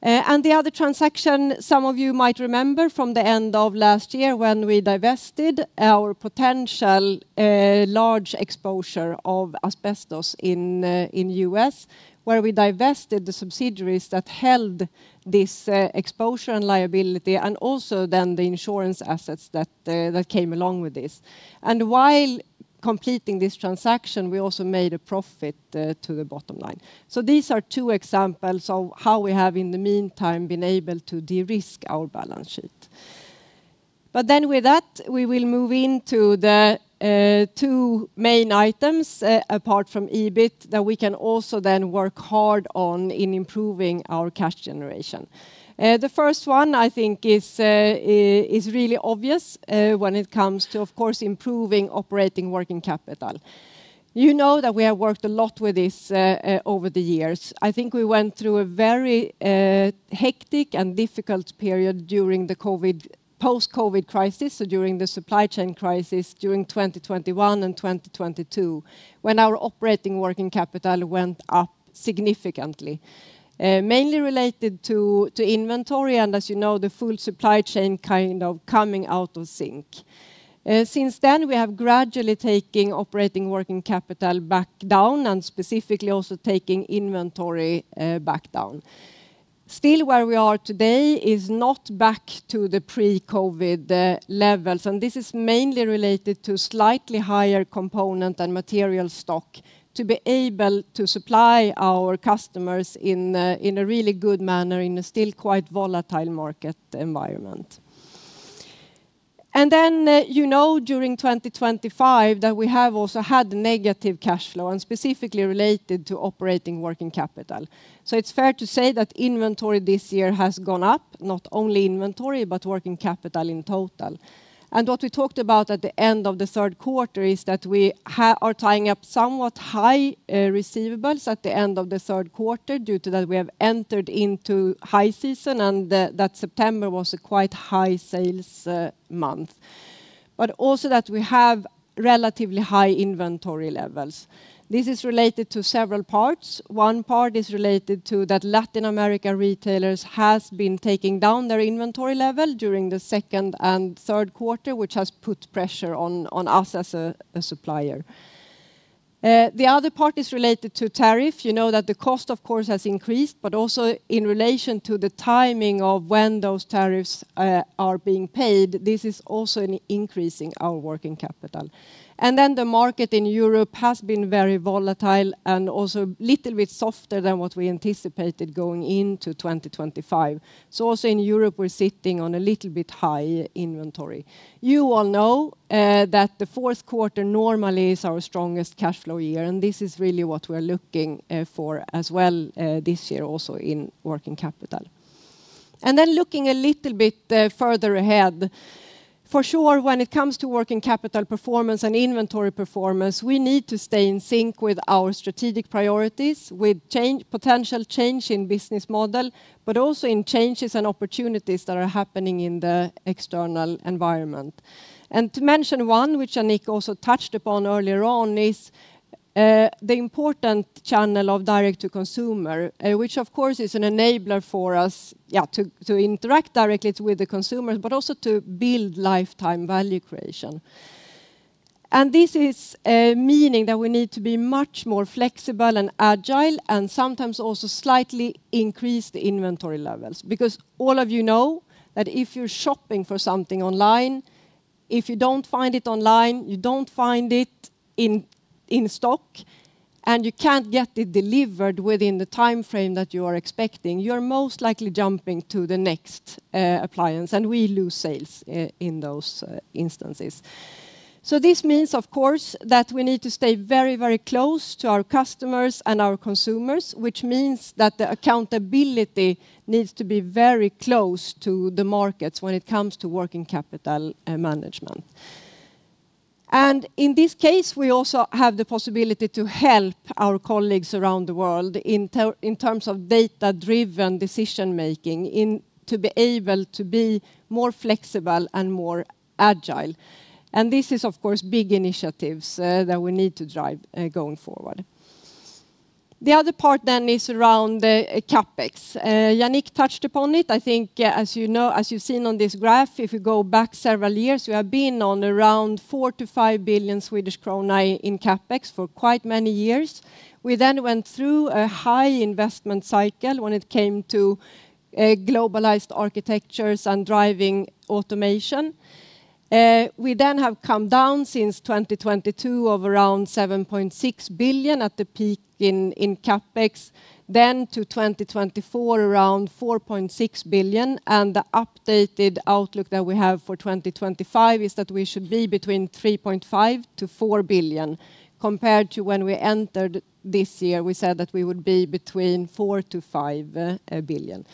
And the other transaction, some of you might remember from the end of last year when we divested our potential large exposure of asbestos in the U.S., where we divested the subsidiaries that held this exposure and liability and also then the insurance assets that came along with this. And while completing this transaction, we also made a profit to the bottom line. These are two examples of how we have in the meantime been able to de-risk our balance sheet. But then with that, we will move into the two main items apart from EBIT that we can also then work hard on in improving our cash generation. The first one, I think, is really obvious when it comes to, of course, improving operating working capital. You know that we have worked a lot with this over the years. I think we went through a very hectic and difficult period during the COVID post-COVID crisis, so during the supply chain crisis during 2021 and 2022, when our operating working capital went up significantly, mainly related to inventory and, as you know, the full supply chain kind of coming out of sync. Since then, we have gradually taken operating working capital back down and specifically also taking inventory back down. Still, where we are today is not back to the pre-COVID levels and this is mainly related to slightly higher component and material stock to be able to supply our customers in a really good manner in a still quite volatile market environment. And then, you know, during 2025 that we have also had negative cash flow and specifically related to operating working capital. so it's fair to say that inventory this year has gone up, not only inventory, but working capital in total. and what we talked about at the end of the third quarter is that we are tying up somewhat high receivables at the end of the third quarter due to that we have entered into high season and that September was a quite high sales month, but also that we have relatively high inventory levels. This is related to several parts. One part is related to that Latin American retailers have been taking down their inventory level during the second and third quarter, which has put pressure on us as a supplier. The other part is related to tariff. You know that the cost, of course, has increased, but also in relation to the timing of when those tariffs are being paid, this is also increasing our working capital, and then the market in Europe has been very volatile and also a little bit softer than what we anticipated going into 2025, so also in Europe, we're sitting on a little bit high inventory. You all know that the fourth quarter normally is our strongest cash flow year, and this is really what we're looking for as well this year also in working capital. Looking a little bit further ahead, for sure, when it comes to working capital performance and inventory performance, we need to stay in sync with our strategic priorities, with potential change in business model, but also in changes and opportunities that are happening in the external environment. To mention one, which Yannick also touched upon earlier on, is the important channel of direct-to-consumer, which of course is an enabler for us to interact directly with the consumers, but also to build lifetime value creation. This is meaning that we need to be much more flexible and agile and sometimes also slightly increase the inventory levels because all of you know that if you're shopping for something online, if you don't find it online, you don't find it in stock, and you can't get it delivered within the timeframe that you are expecting, you're most likely jumping to the next appliance, and we lose sales in those instances. So this means, of course, that we need to stay very, very close to our customers and our consumers, which means that the accountability needs to be very close to the markets when it comes to working capital management. In this case, we also have the possibility to help our colleagues around the world in terms of data-driven decision-making to be able to be more flexible and more agile. This is, of course, big initiatives that we need to drive going forward. The other part then is around CapEx. Yannick touched upon it. I think, as you've seen on this graph, if you go back several years, we have been on around 4 billion-5 billion Swedish krona in CapEx for quite many years. We then went through a high investment cycle when it came to globalized architectures and driving automation. We then have come down since 2022 of around 7.6 billion at the peak in CapEx, then to 2024 around 4.6 billion. This updated outlook that we have for 2025 is that we should be between 3.5 billion-4 billion compared to when we entered this year. We said that we would be between 4 billion-5 billion.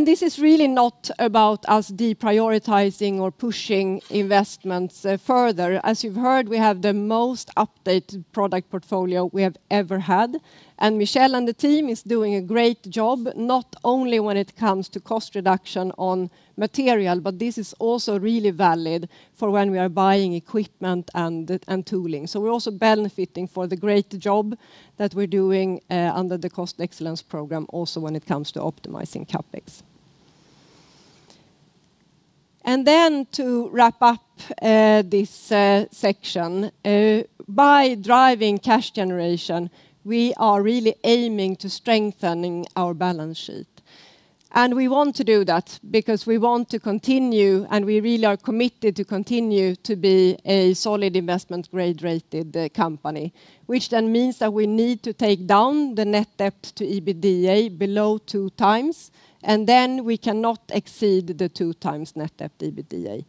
This is really not about us deprioritizing or pushing investments further. As you've heard, we have the most updated product portfolio we have ever had. And Michelle and the team are doing a great job, not only when it comes to cost reduction on material, but this is also really valid for when we are buying equipment and tooling. So we're also benefiting from the great job that we're doing under the Cost Excellence Program also when it comes to optimizing CapEx. And then to wrap up this section, by driving cash generation, we are really aiming to strengthen our balance sheet. And we want to do that because we want to continue, and we really are committed to continue to be a solid investment-grade rated company, which then means that we need to take down the net debt to EBITDA below 2x, and then we cannot exceed the 2x net debt to EBITDA.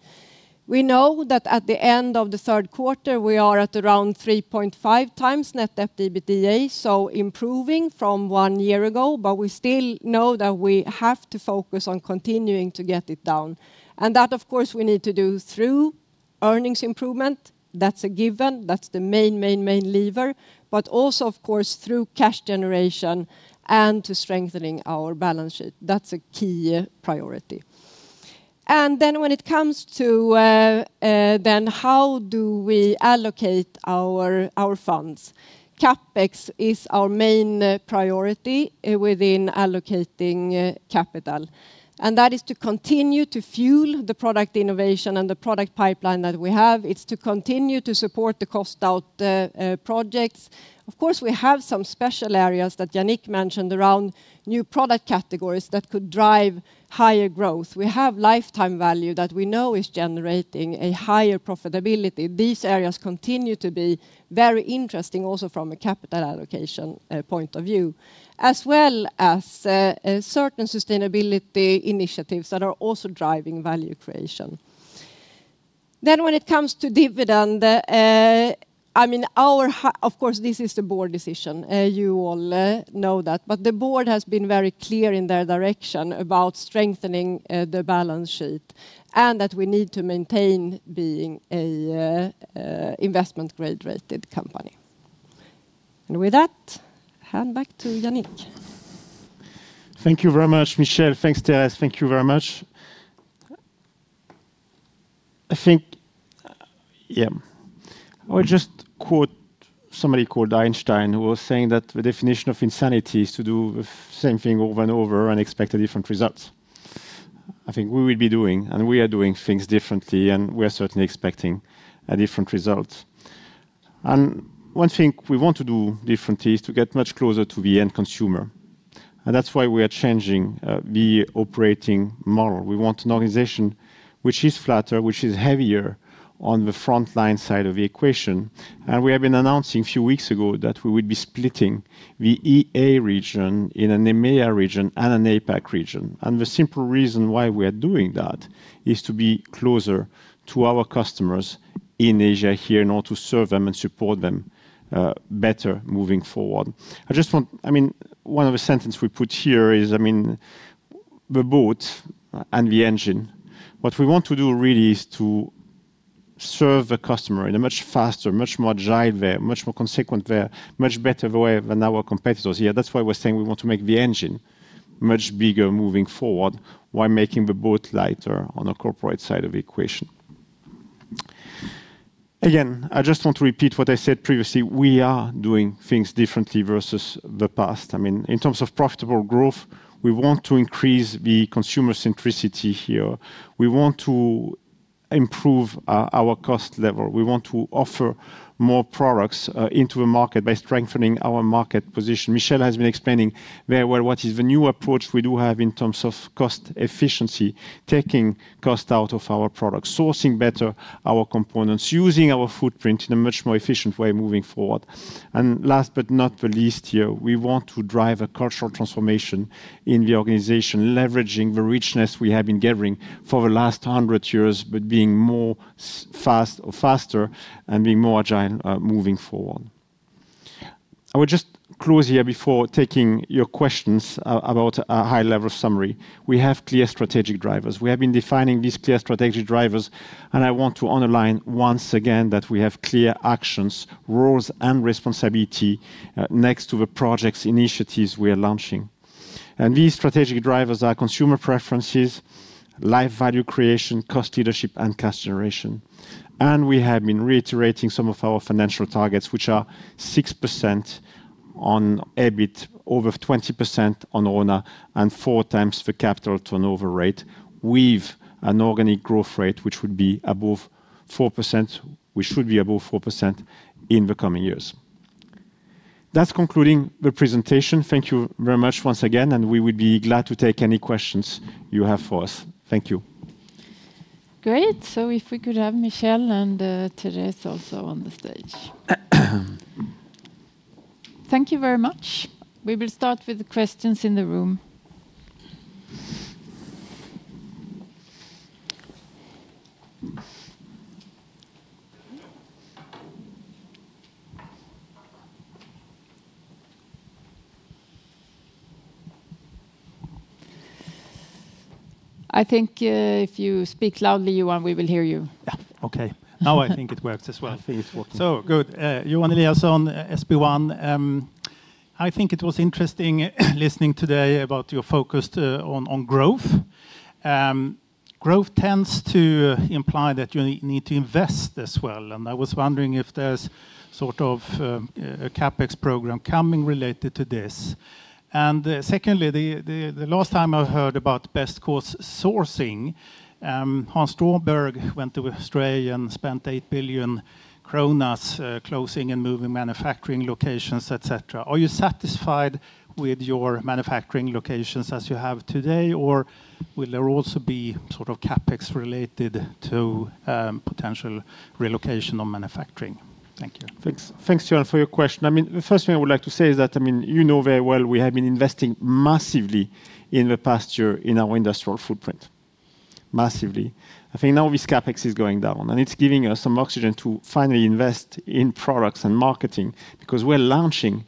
We know that at the end of the third quarter, we are at around 3.5x net debt to EBITDA, so improving from one year ago, but we still know that we have to focus on continuing to get it down, and that, of course, we need to do through earnings improvement. That's a given. That's the main, main, main lever, but also, of course, through cash generation and to strengthening our balance sheet. That's a key priority, and then when it comes to then how do we allocate our funds, CapEx is our main priority within allocating capital, and that is to continue to fuel the product innovation and the product pipeline that we have. It's to continue to support the cost-out projects. Of course, we have some special areas that Yannick mentioned around new product categories that could drive higher growth. We have lifetime value that we know is generating a higher profitability. These areas continue to be very interesting also from a capital allocation point of view, as well as certain sustainability initiatives that are also driving value creation. Then when it comes to dividend, I mean, of course, this is the board decision. You all know that. But the board has been very clear in their direction about strengthening the balance sheet and that we need to maintain being an investment-grade rated company. And with that, hand back to Yannick. Thank you very much, Michelle. Thanks, Therese. Thank you very much. I think, yeah, I would just quote somebody called Einstein who was saying that the definition of insanity is to do the same thing over and over and expect different results. I think we will be doing, and we are doing things differently, and we are certainly expecting a different result. And one thing we want to do differently is to get much closer to the end consumer. And that's why we are changing the operating model. We want an organization which is flatter, which is heavier on the front line side of the equation. And we have been announcing a few weeks ago that we would be splitting the EA region in an EMEA region and an APAC region. And the simple reason why we are doing that is to be closer to our customers in Asia here in order to serve them and support them better moving forward. I just want, I mean, one of the sentences we put here is, I mean, the boat and the engine. What we want to do really is to serve the customer in a much faster, much more agile way, much more consequent way, much better way than our competitors here. That's why we're saying we want to make the engine much bigger moving forward while making the boat lighter on the corporate side of the equation. Again, I just want to repeat what I said previously. We are doing things differently versus the past. I mean, in terms of profitable growth, we want to increase the consumer centricity here. We want to improve our cost level. We want to offer more products into the market by strengthening our market position. Michelle has been explaining very well what is the new approach we do have in terms of cost efficiency, taking cost out of our products, sourcing better our components, using our footprint in a much more efficient way moving forward. Last but not the least here, we want to drive a cultural transformation in the organization, leveraging the richness we have been gathering for the last 100 years, but being more fast or faster and being more agile moving forward. I would just close here before taking your questions about a high-level summary. We have clear strategic drivers. We have been defining these clear strategic drivers, and I want to underline once again that we have clear actions, roles, and responsibility next to the projects initiatives we are launching. And these strategic drivers are consumer preferences, life value creation, cost leadership, and cash generation. And we have been reiterating some of our financial targets, which are 6% on EBIT, over 20% on RONA, and 4x the capital turnover rate with an organic growth rate, which would be above 4%. We should be above 4% in the coming years. That's concluding the presentation. Thank you very much once again, and we would be glad to take any questions you have for us. Thank you. Great. So if we could have Michelle and Therese also on the stage. Thank you very much. We will start with the questions in the room. I think if you speak loudly, we will hear you. Johan Eliason, SB1. I think it was interesting listening today about your focus on growth. Growth tends to imply that you need to invest as well. And I was wondering if there's sort of a CapEx program coming related to this. And secondly, the last time I heard about best cost sourcing, Hans Stråberg went to Australia and spent 8 billion kronor closing and moving manufacturing locations, etc. Are you satisfied with your manufacturing locations as you have today, or will there also be sort of CapEx related to potential relocation on manufacturing? Thank you. Thanks, Johan, for your question. I mean, the first thing I would like to say is that, I mean, you know very well we have been investing massively in the past year in our industrial footprint. Massively. I think now this CapEx is going down, and it's giving us some oxygen to finally invest in products and marketing because we're launching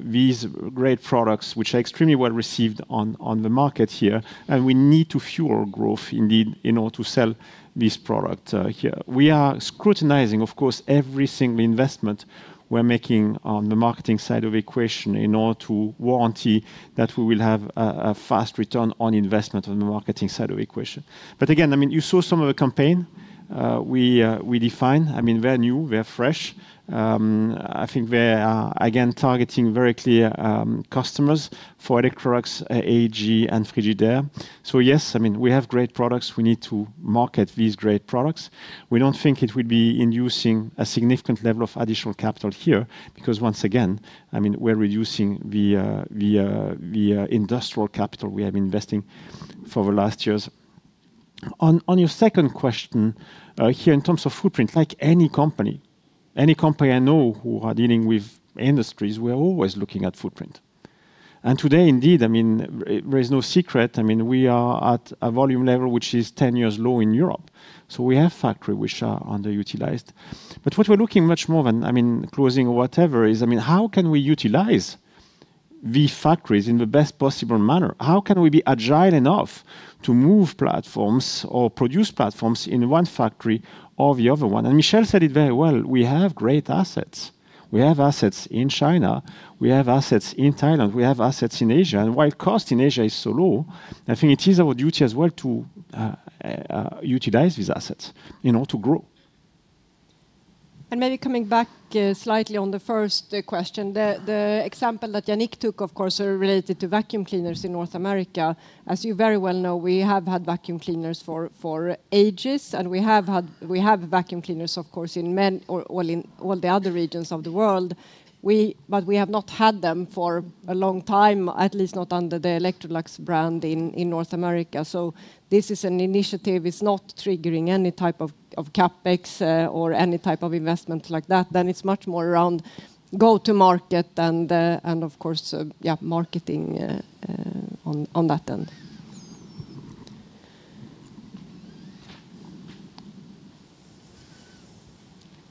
these great products, which are extremely well received on the market here, and we need to fuel growth indeed in order to sell these products here. We are scrutinizing, of course, every single investment we're making on the marketing side of the equation in order to warrant that we will have a fast return on investment on the marketing side of the equation. But again, I mean, you saw some of the campaign we defined. I mean, they're new, they're fresh. I think they are, again, targeting very clear customers for Electrolux, AEG, and Frigidaire. So yes, I mean, we have great products. We need to market these great products. We don't think it would be inducing a significant level of additional capital here because once again, I mean, we're reducing the industrial capital we have been investing for the last years. On your second question here in terms of footprint, like any company I know who are dealing with industries, we're always looking at footprint. And today indeed, I mean, there is no secret. I mean, we are at a volume level which is 10-year low in Europe. So we have factories which are underutilized. But what we're looking much more of, I mean, closing or whatever is, I mean, how can we utilize these factories in the best possible manner? How can we be agile enough to move platforms or produce platforms in one factory or the other one? And Michelle said it very well. We have great assets. We have assets in China. We have assets in Thailand. We have assets in Asia. And while cost in Asia is so low, I think it is our duty as well to utilize these assets in order to grow. And maybe coming back slightly on the first question, the example that Yannick took, of course, related to vacuum cleaners in North America. As you very well know, we have had vacuum cleaners for ages, and we have had vacuum cleaners, of course, in all the other regions of the world, but we have not had them for a long time, at least not under the Electrolux brand in North America. So this is an initiative. It's not triggering any type of CapEx or any type of investment like that. Then it's much more around go-to-market and, of course, marketing on that end.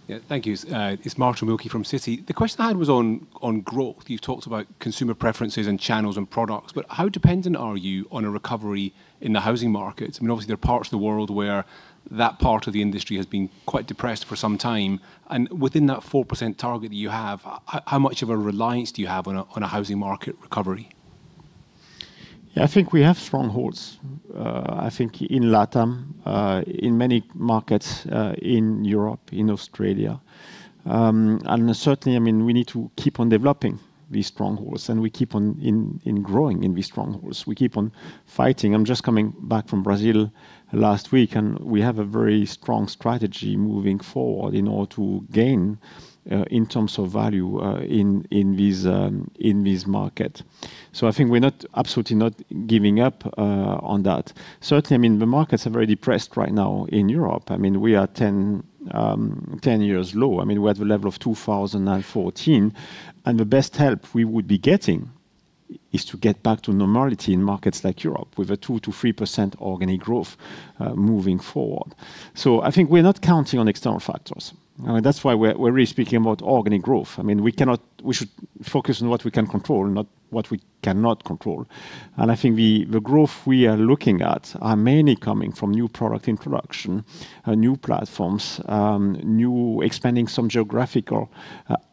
Yeah, thank you. It's Martin Wilkie from Citi. The question I had was on growth. You've talked about consumer preferences and channels and products, but how dependent are you on a recovery in the housing markets? I mean, obviously, there are parts of the world where that part of the industry has been quite depressed for some time. Within that 4% target that you have, how much of a reliance do you have on a housing market recovery? Yeah, I think we have strongholds, I think, in LATAM, in many markets in Europe, in Australia. Certainly, I mean, we need to keep on developing these strongholds, and we keep on growing in these strongholds. We keep on fighting. I'm just coming back from Brazil last week, and we have a very strong strategy moving forward in order to gain in terms of value in this market. So I think we're absolutely not giving up on that. Certainly, I mean, the markets are very depressed right now in Europe. I mean, we are 10 years low. I mean, we're at the level of 2014. The best help we would be getting is to get back to normality in markets like Europe with 2%-3% organic growth moving forward. I think we're not counting on external factors. I mean, that's why we're really speaking about organic growth. I mean, we should focus on what we can control, not what we cannot control. I think the growth we are looking at are mainly coming from new product introduction, new platforms, new expanding some geographical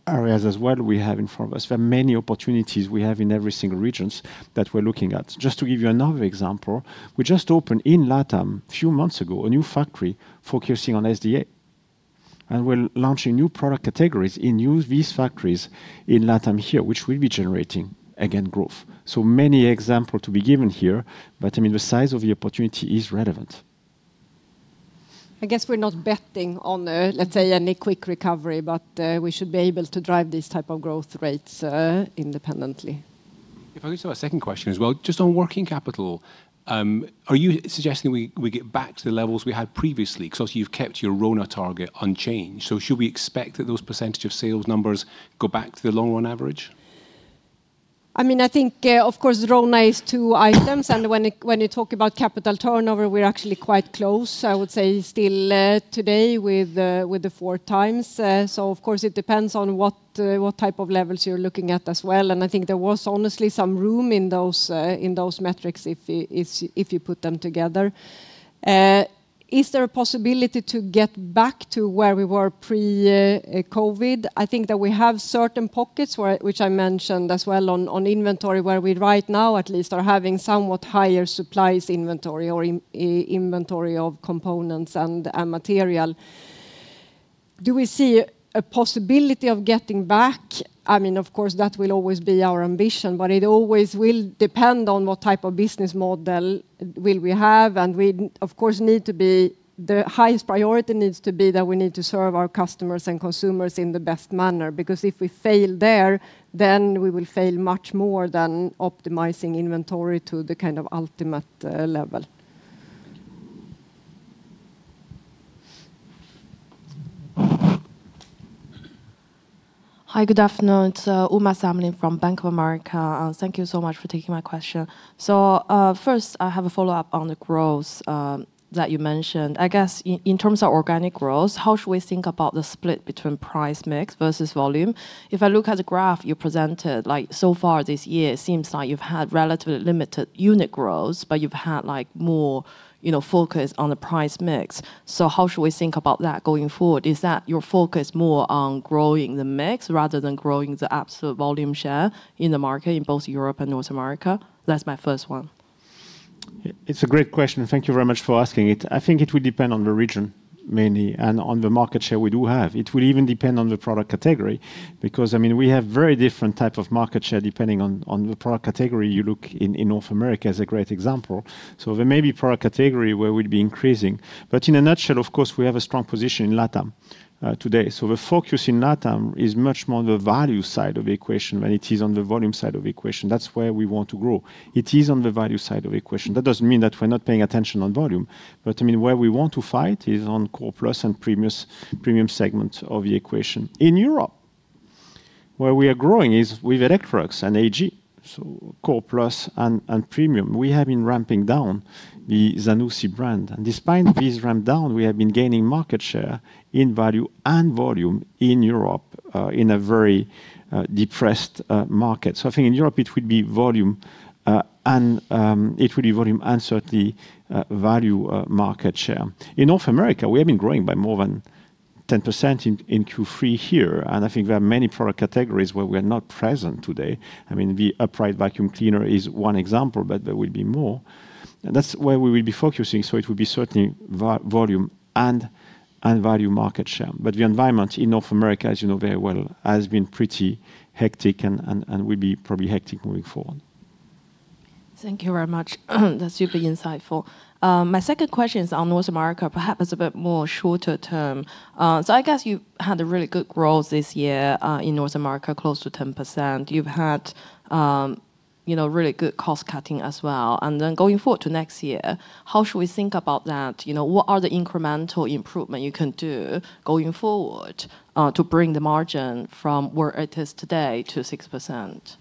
areas as well we have in front of us. There are many opportunities we have in every single region that we're looking at. Just to give you another example, we just opened in LATAM a few months ago a new factory focusing on SDA. We're launching new product categories in these factories in LATAM here, which will be generating, again, growth. So many examples to be given here, but I mean, the size of the opportunity is relevant. I guess we're not betting on, let's say, any quick recovery, but we should be able to drive these types of growth rates independently. If I could just have a second question as well, just on working capital, are you suggesting we get back to the levels we had previously? Because obviously, you've kept your RONA target unchanged. So should we expect that those percentage of sales numbers go back to the long-run average? I mean, I think, of course, RONA is two items. And when you talk about capital turnover, we're actually quite close, I would say, still today with the 4x. So, of course, it depends on what type of levels you're looking at as well. And I think there was honestly some room in those metrics if you put them together. Is there a possibility to get back to where we were pre-COVID? I think that we have certain pockets, which I mentioned as well on inventory, where we right now at least are having somewhat higher supplies inventory or inventory of components and material. Do we see a possibility of getting back? I mean, of course, that will always be our ambition, but it always will depend on what type of business model will we have. And we, of course, need to be the highest priority needs to be that we need to serve our customers and consumers in the best manner. Because if we fail there, then we will fail much more than optimizing inventory to the kind of ultimate level. Hi, good afternoon. It's Uma Samlin from Bank of America. Thank you so much for taking my question. So first, I have a follow-up on the growth that you mentioned. I guess in terms of organic growth, how should we think about the split between price mix versus volume? If I look at the graph you presented, so far this year, it seems like you've had relatively limited unit growth, but you've had more focus on the price mix. So how should we think about that going forward? Is that your focus more on growing the mix rather than growing the absolute volume share in the market in both Europe and North America? That's my first one. It's a great question. Thank you very much for asking it. I think it will depend on the region mainly and on the market share we do have. It will even depend on the product category because, I mean, we have very different types of market share depending on the product category. You look in North America as a great example, so there may be product category where we'd be increasing, but in a nutshell, of course, we have a strong position in LATAM today, so the focus in LATAM is much more on the value side of the equation than it is on the volume side of the equation. That's where we want to grow. It is on the value side of the equation. That doesn't mean that we're not paying attention on volume, but I mean, where we want to fight is on core plus and premium segment of the equation. In Europe, where we are growing is with Electrolux and AEG, so core plus and premium, we have been ramping down the Zanussi brand. Despite this ramp down, we have been gaining market share in value and volume in Europe in a very depressed market. I think in Europe, it would be volume, and it would be volume and certainly value market share. In North America, we have been growing by more than 10% in Q3 here. I think there are many product categories where we are not present today. I mean, the upright vacuum cleaner is one example, but there will be more. That's where we will be focusing. It would be certainly volume and value market share. The environment in North America, as you know very well, has been pretty hectic and will be probably hectic moving forward. Thank you very much. That's super insightful. My second question is on North America, perhaps a bit more shorter term. I guess you had a really good growth this year in North America, close to 10%. You've had really good cost cutting as well. And then going forward to next year, how should we think about that? What are the incremental improvements you can do going forward to bring the margin from where it is today to 6%?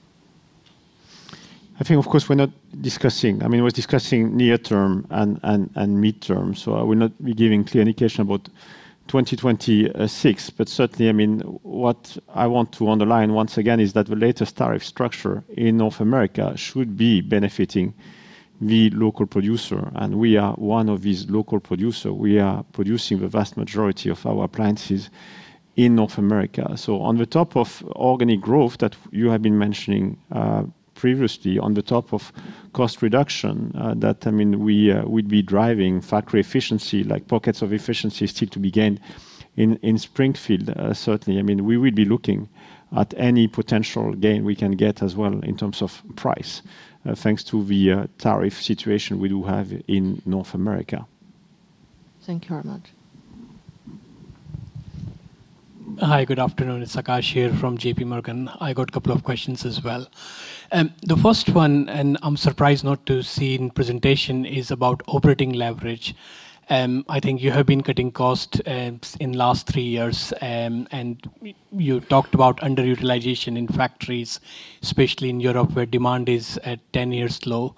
I think, of course, we're not discussing. I mean, we're discussing near-term and mid-term. So I will not be giving clear indication about 2026. But certainly, I mean, what I want to underline once again is that the latest tariff structure in North America should be benefiting the local producer. And we are one of these local producers. We are producing the vast majority of our appliances in North America. So, on the top of organic growth that you have been mentioning previously, on the top of cost reduction, that, I mean, we would be driving factory efficiency, like pockets of efficiency still to be gained in Springfield, certainly. I mean, we would be looking at any potential gain we can get as well in terms of price, thanks to the tariff situation we do have in North America. Thank you very much. Hi, good afternoon. It's Akash here from JPMorgan. I got a couple of questions as well. The first one, and I'm surprised not to see in presentation, is about operating leverage. I think you have been cutting costs in the last three years, and you talked about underutilization in factories, especially in Europe where demand is at 10 years low.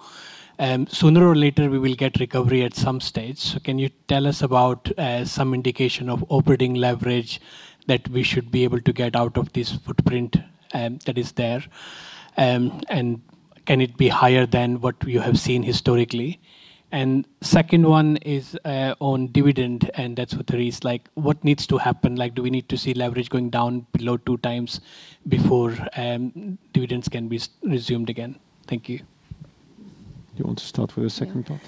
Sooner or later, we will get recovery at some stage. So can you tell us about some indication of operating leverage that we should be able to get out of this footprint that is there? And can it be higher than what you have seen historically? And second one is on dividend, and that's what there is. What needs to happen? Do we need to see leverage going down below 2x before dividends can be resumed again? Thank you. Do you want to start with the second thought?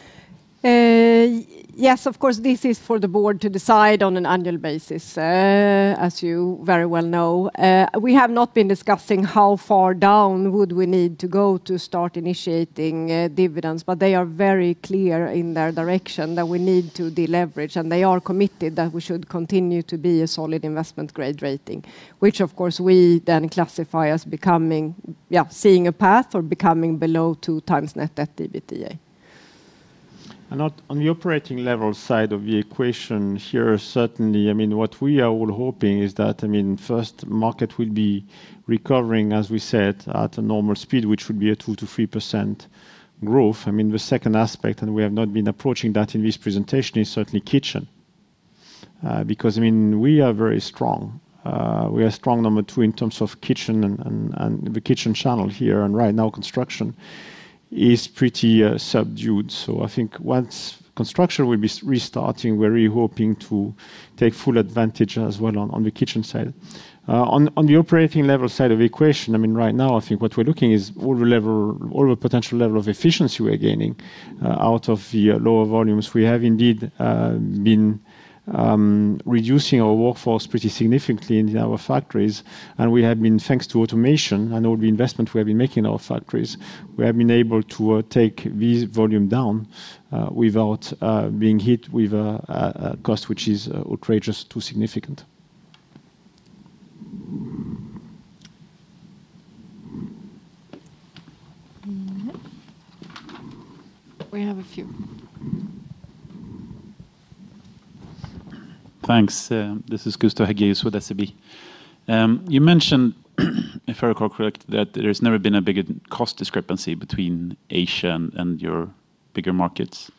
Yes, of course. This is for the board to decide on an annual basis, as you very well know. We have not been discussing how far down would we need to go to start initiating dividends, but they are very clear in their direction that we need to deleverage, and they are committed that we should continue to be a solid Investment Grade rating, which, of course, we then classify as seeing a path or becoming below 2x net debt EBITDA. And on the operating level side of the equation here, certainly, I mean, what we are all hoping is that, I mean, first, the market will be recovering, as we said, at a normal speed, which would be a 2%-3% growth. I mean, the second aspect, and we have not been approaching that in this presentation, is certainly kitchen. Because, I mean, we are very strong. We are strong, number two, in terms of kitchen and the kitchen channel here. Right now, construction is pretty subdued. I think once construction will be restarting, we're really hoping to take full advantage as well on the kitchen side. On the operating level side of the equation, I mean, right now, I think what we're looking is all the potential level of efficiency we're gaining out of the lower volumes. We have indeed been reducing our workforce pretty significantly in our factories. We have been, thanks to automation and all the investment we have been making in our factories, we have been able to take this volume down without being hit with a cost which is outrageously too significant. We have a few. Thanks. This is Gustav Hageus with SEB. You mentioned, if I recall correctly, that there's never been a big cost discrepancy between Asia and your bigger markets.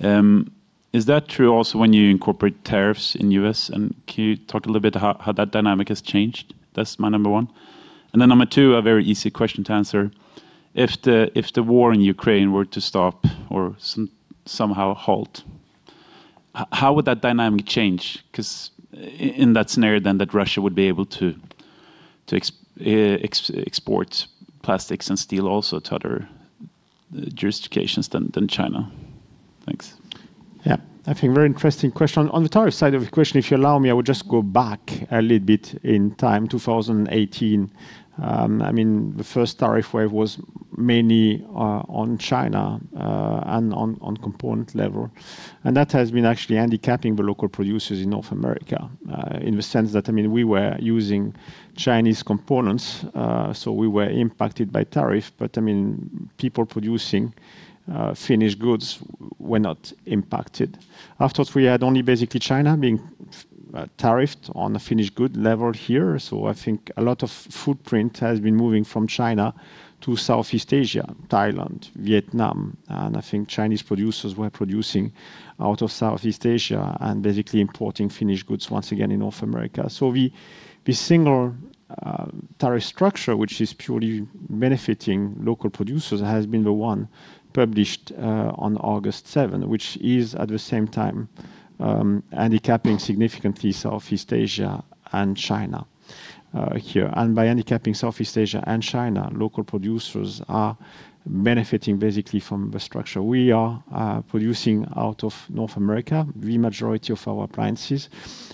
Is that true also when you incorporate tariffs in the U.S.? And can you talk a little bit about how that dynamic has changed? That's my number one. And then number two, a very easy question to answer. If the war in Ukraine were to stop or somehow halt, how would that dynamic change? Because in that scenario, then, that Russia would be able to export plastics and steel also to other jurisdictions than China. Thanks. Yeah, I think very interesting question. On the tariff side of the equation, if you allow me, I would just go back a little bit in time, 2018. I mean, the first tariff wave was mainly on China and on component level. And that has been actually handicapping the local producers in North America in the sense that, I mean, we were using Chinese components, so we were impacted by tariff. I mean, people producing finished goods were not impacted. After all, we had only basically China being tariffed on a finished good level here. I think a lot of footprint has been moving from China to Southeast Asia, Thailand, Vietnam. I think Chinese producers were producing out of Southeast Asia and basically importing finished goods once again in North America. The single tariff structure, which is purely benefiting local producers, has been the one published on August 7, which is at the same time handicapping significantly Southeast Asia and China here. By handicapping Southeast Asia and China, local producers are benefiting basically from the structure. We are producing out of North America the majority of our appliances.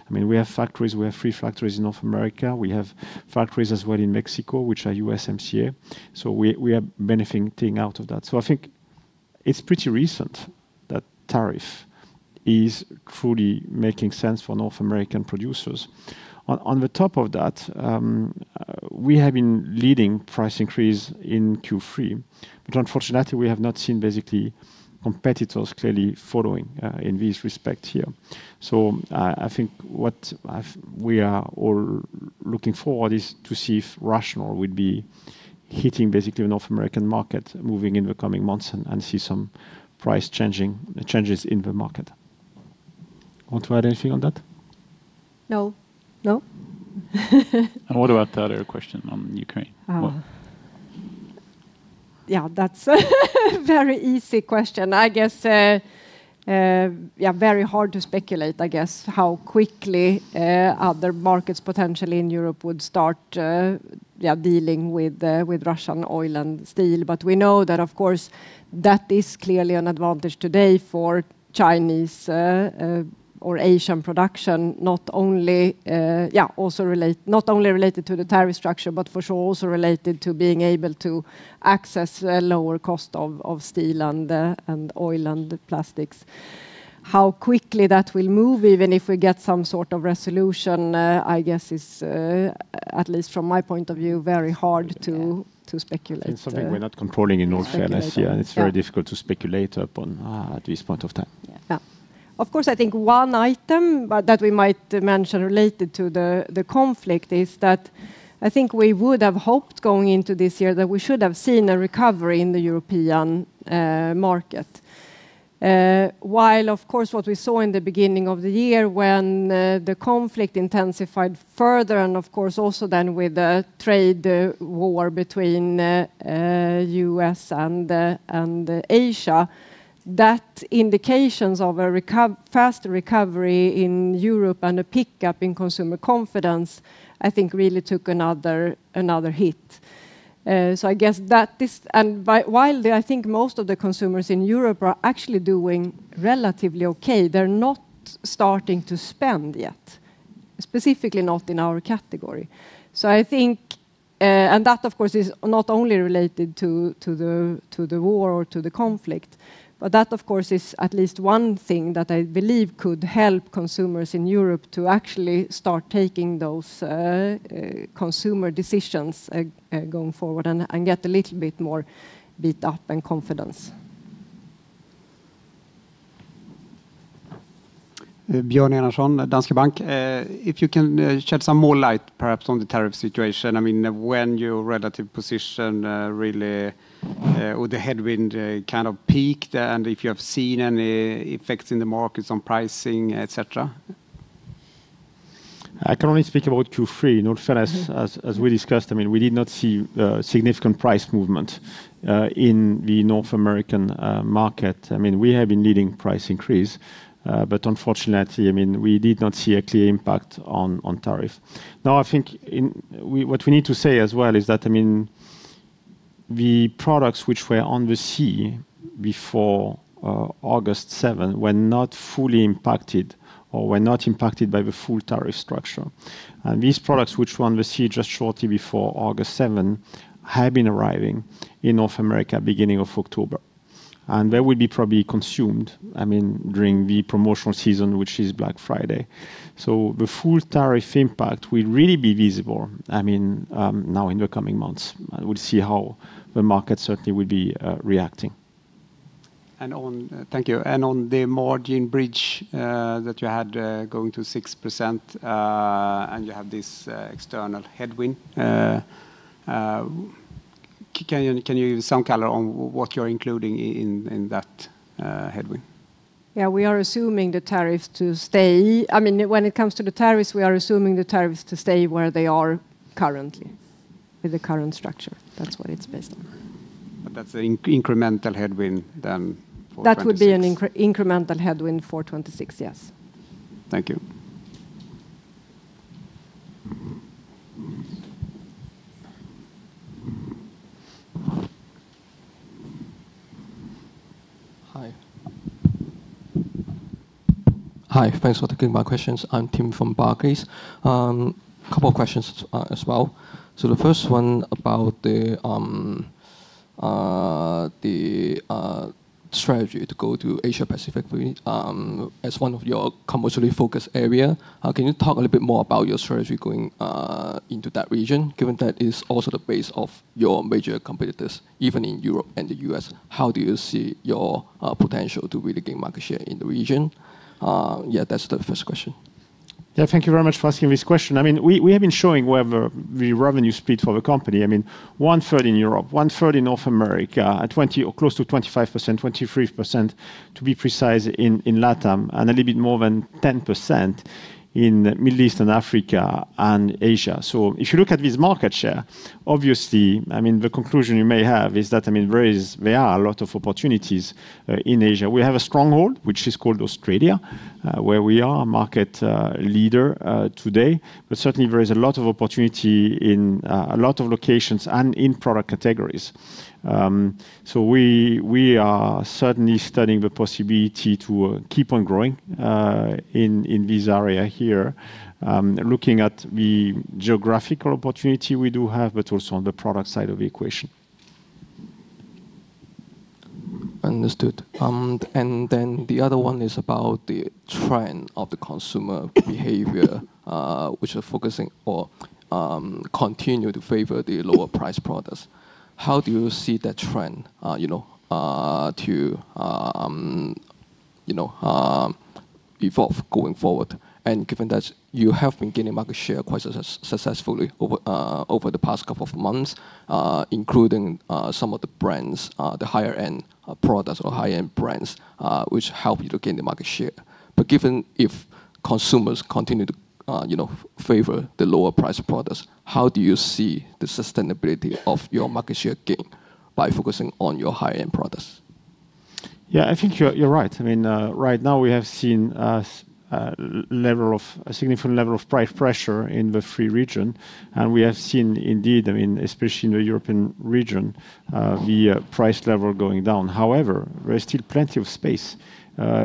I mean, we have factories. We have three factories in North America. We have factories as well in Mexico, which are USMCA. So we are benefiting out of that. So I think it's pretty recent that tariff is truly making sense for North American producers. On the top of that, we have been leading price increase in Q3. But unfortunately, we have not seen basically competitors clearly following in this respect here. So I think what we are all looking forward to is to see if Rational would be hitting basically the North American market moving in the coming months and see some price changes in the market. Want to add anything on that? No. No. And what about the other question on Ukraine? Yeah, that's a very easy question. I guess, yeah, very hard to speculate, I guess, how quickly other markets potentially in Europe would start dealing with Russian oil and steel. But we know that, of course, that is clearly an advantage today for Chinese or Asian production, not only related to the tariff structure, but for sure also related to being able to access a lower cost of steel and oil and plastics. How quickly that will move, even if we get some sort of resolution, I guess, is at least from my point of view, very hard to speculate. It's something we're not controlling in all fairness here. And it's very difficult to speculate upon at this point of time. Yeah. Of course, I think one item that we might mention related to the conflict is that I think we would have hoped going into this year that we should have seen a recovery in the European market. While, of course, what we saw in the beginning of the year when the conflict intensified further, and of course also then with the trade war between the U.S. and Asia, that indications of a faster recovery in Europe and a pickup in consumer confidence, I think really took another hit. So I guess that is, and while I think most of the consumers in Europe are actually doing relatively okay, they're not starting to spend yet, specifically not in our category. So I think, and that of course is not only related to the war or to the conflict, but that of course is at least one thing that I believe could help consumers in Europe to actually start taking those consumer decisions going forward and get a little bit more upbeat and confidence. Björn Enarson, Danske Bank. If you can shed some more light perhaps on the tariff situation? I mean, when your relative position really, or the headwind kind of peaked, and if you have seen any effects in the markets on pricing, etc.? I can only speak about Q3. In all fairness, as we discussed, I mean, we did not see significant price movement in the North American market. I mean, we have been leading price increase, but unfortunately, I mean, we did not see a clear impact on tariff. Now, I think what we need to say as well is that, I mean, the products which were on the sea before August 7 were not fully impacted or were not impacted by the full tariff structure. And these products which were on the sea just shortly before August 7 have been arriving in North America beginning of October. They will be probably consumed, I mean, during the promotional season, which is Black Friday. The full tariff impact will really be visible, I mean, now in the coming months. We'll see how the market certainly will be reacting. And on, thank you. And on the margin bridge that you had going to 6% and you have this external headwind, can you give some color on what you're including in that headwind? Yeah, we are assuming the tariffs to stay. I mean, when it comes to the tariffs, we are assuming the tariffs to stay where they are currently with the current structure. That's what it's based on. But that's an incremental headwind then. That would be an incremental headwind for 2026, yes. Thank you. Hi. Thanks for taking my questions. I'm Tim from Barclays. A couple of questions as well. So the first one about the strategy to go to Asia-Pacific as one of your commercially focused areas. Can you talk a little bit more about your strategy going into that region, given that it's also the base of your major competitors, even in Europe and the U.S.? How do you see your potential to really gain market share in the region? Yeah, that's the first question. Yeah, thank you very much for asking this question. I mean, we have been showing whatever the revenue split for the company. I mean, one-third in Europe, one-third in North America, close to 25%, 23% to be precise in LATAM, and a little bit more than 10% in the Middle East and Africa and Asia. If you look at this market share, obviously, I mean, the conclusion you may have is that, I mean, there are a lot of opportunities in Asia. We have a stronghold, which is called Australia, where we are a market leader today. But certainly, there is a lot of opportunity in a lot of locations and in product categories. So we are certainly studying the possibility to keep on growing in this area here, looking at the geographical opportunity we do have, but also on the product side of the equation. Understood. And then the other one is about the trend of the consumer behavior, which are focusing or continue to favor the lower price products. How do you see that trend to evolve going forward? And given that you have been gaining market share quite successfully over the past couple of months, including some of the brands, the higher-end products or high-end brands, which help you to gain the market share. But given if consumers continue to favor the lower price products, how do you see the sustainability of your market share gain by focusing on your high-end products? Yeah, I think you're right. I mean, right now we have seen a significant level of price pressure in the free region. And we have seen indeed, I mean, especially in the European region, the price level going down. However, there is still plenty of space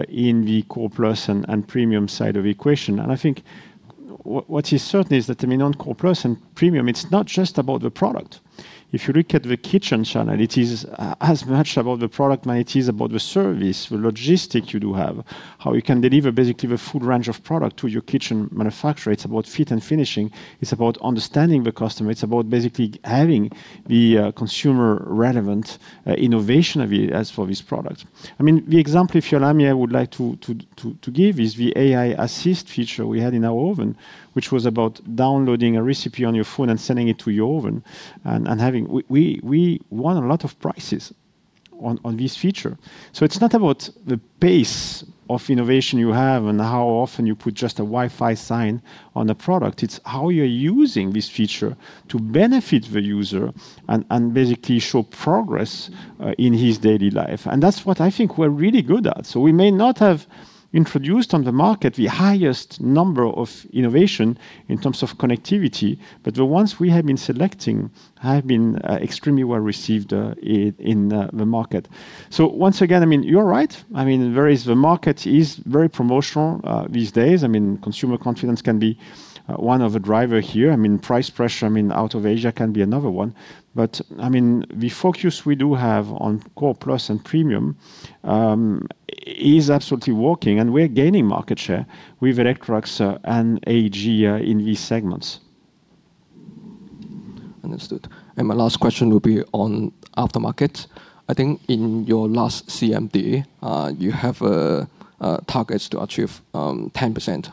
in the core plus and premium side of the equation. And I think what is certain is that, I mean, on core plus and premium, it's not just about the product. If you look at the kitchen channel, it is as much about the product as it is about the service, the logistics you do have, how you can deliver basically the full range of product to your kitchen manufacturer. It's about fit and finish. It's about understanding the customer. It's about basically having the consumer-relevant innovation as for this product. I mean, the example if you allow me, I would like to give is the AI Assist feature we had in our oven, which was about downloading a recipe on your phone and sending it to your oven and we won a lot of prizes on this feature. It's not about the pace of innovation you have and how often you put just a Wi-Fi sign on a product. It's how you're using this feature to benefit the user and basically show progress in his daily life. That's what I think we're really good at. We may not have introduced on the market the highest number of innovation in terms of connectivity, but the ones we have been selecting have been extremely well received in the market. So once again, I mean, you're right. I mean, there is, the market is very promotional these days. I mean, consumer confidence can be one of the drivers here. I mean, price pressure, I mean, out of Asia can be another one. But I mean, the focus we do have on core plus and premium is absolutely working. And we're gaining market share with Electrolux and AEG in these segments. Understood. And my last question will be on aftermarket. I think in your last CMD, you have targets to achieve 10%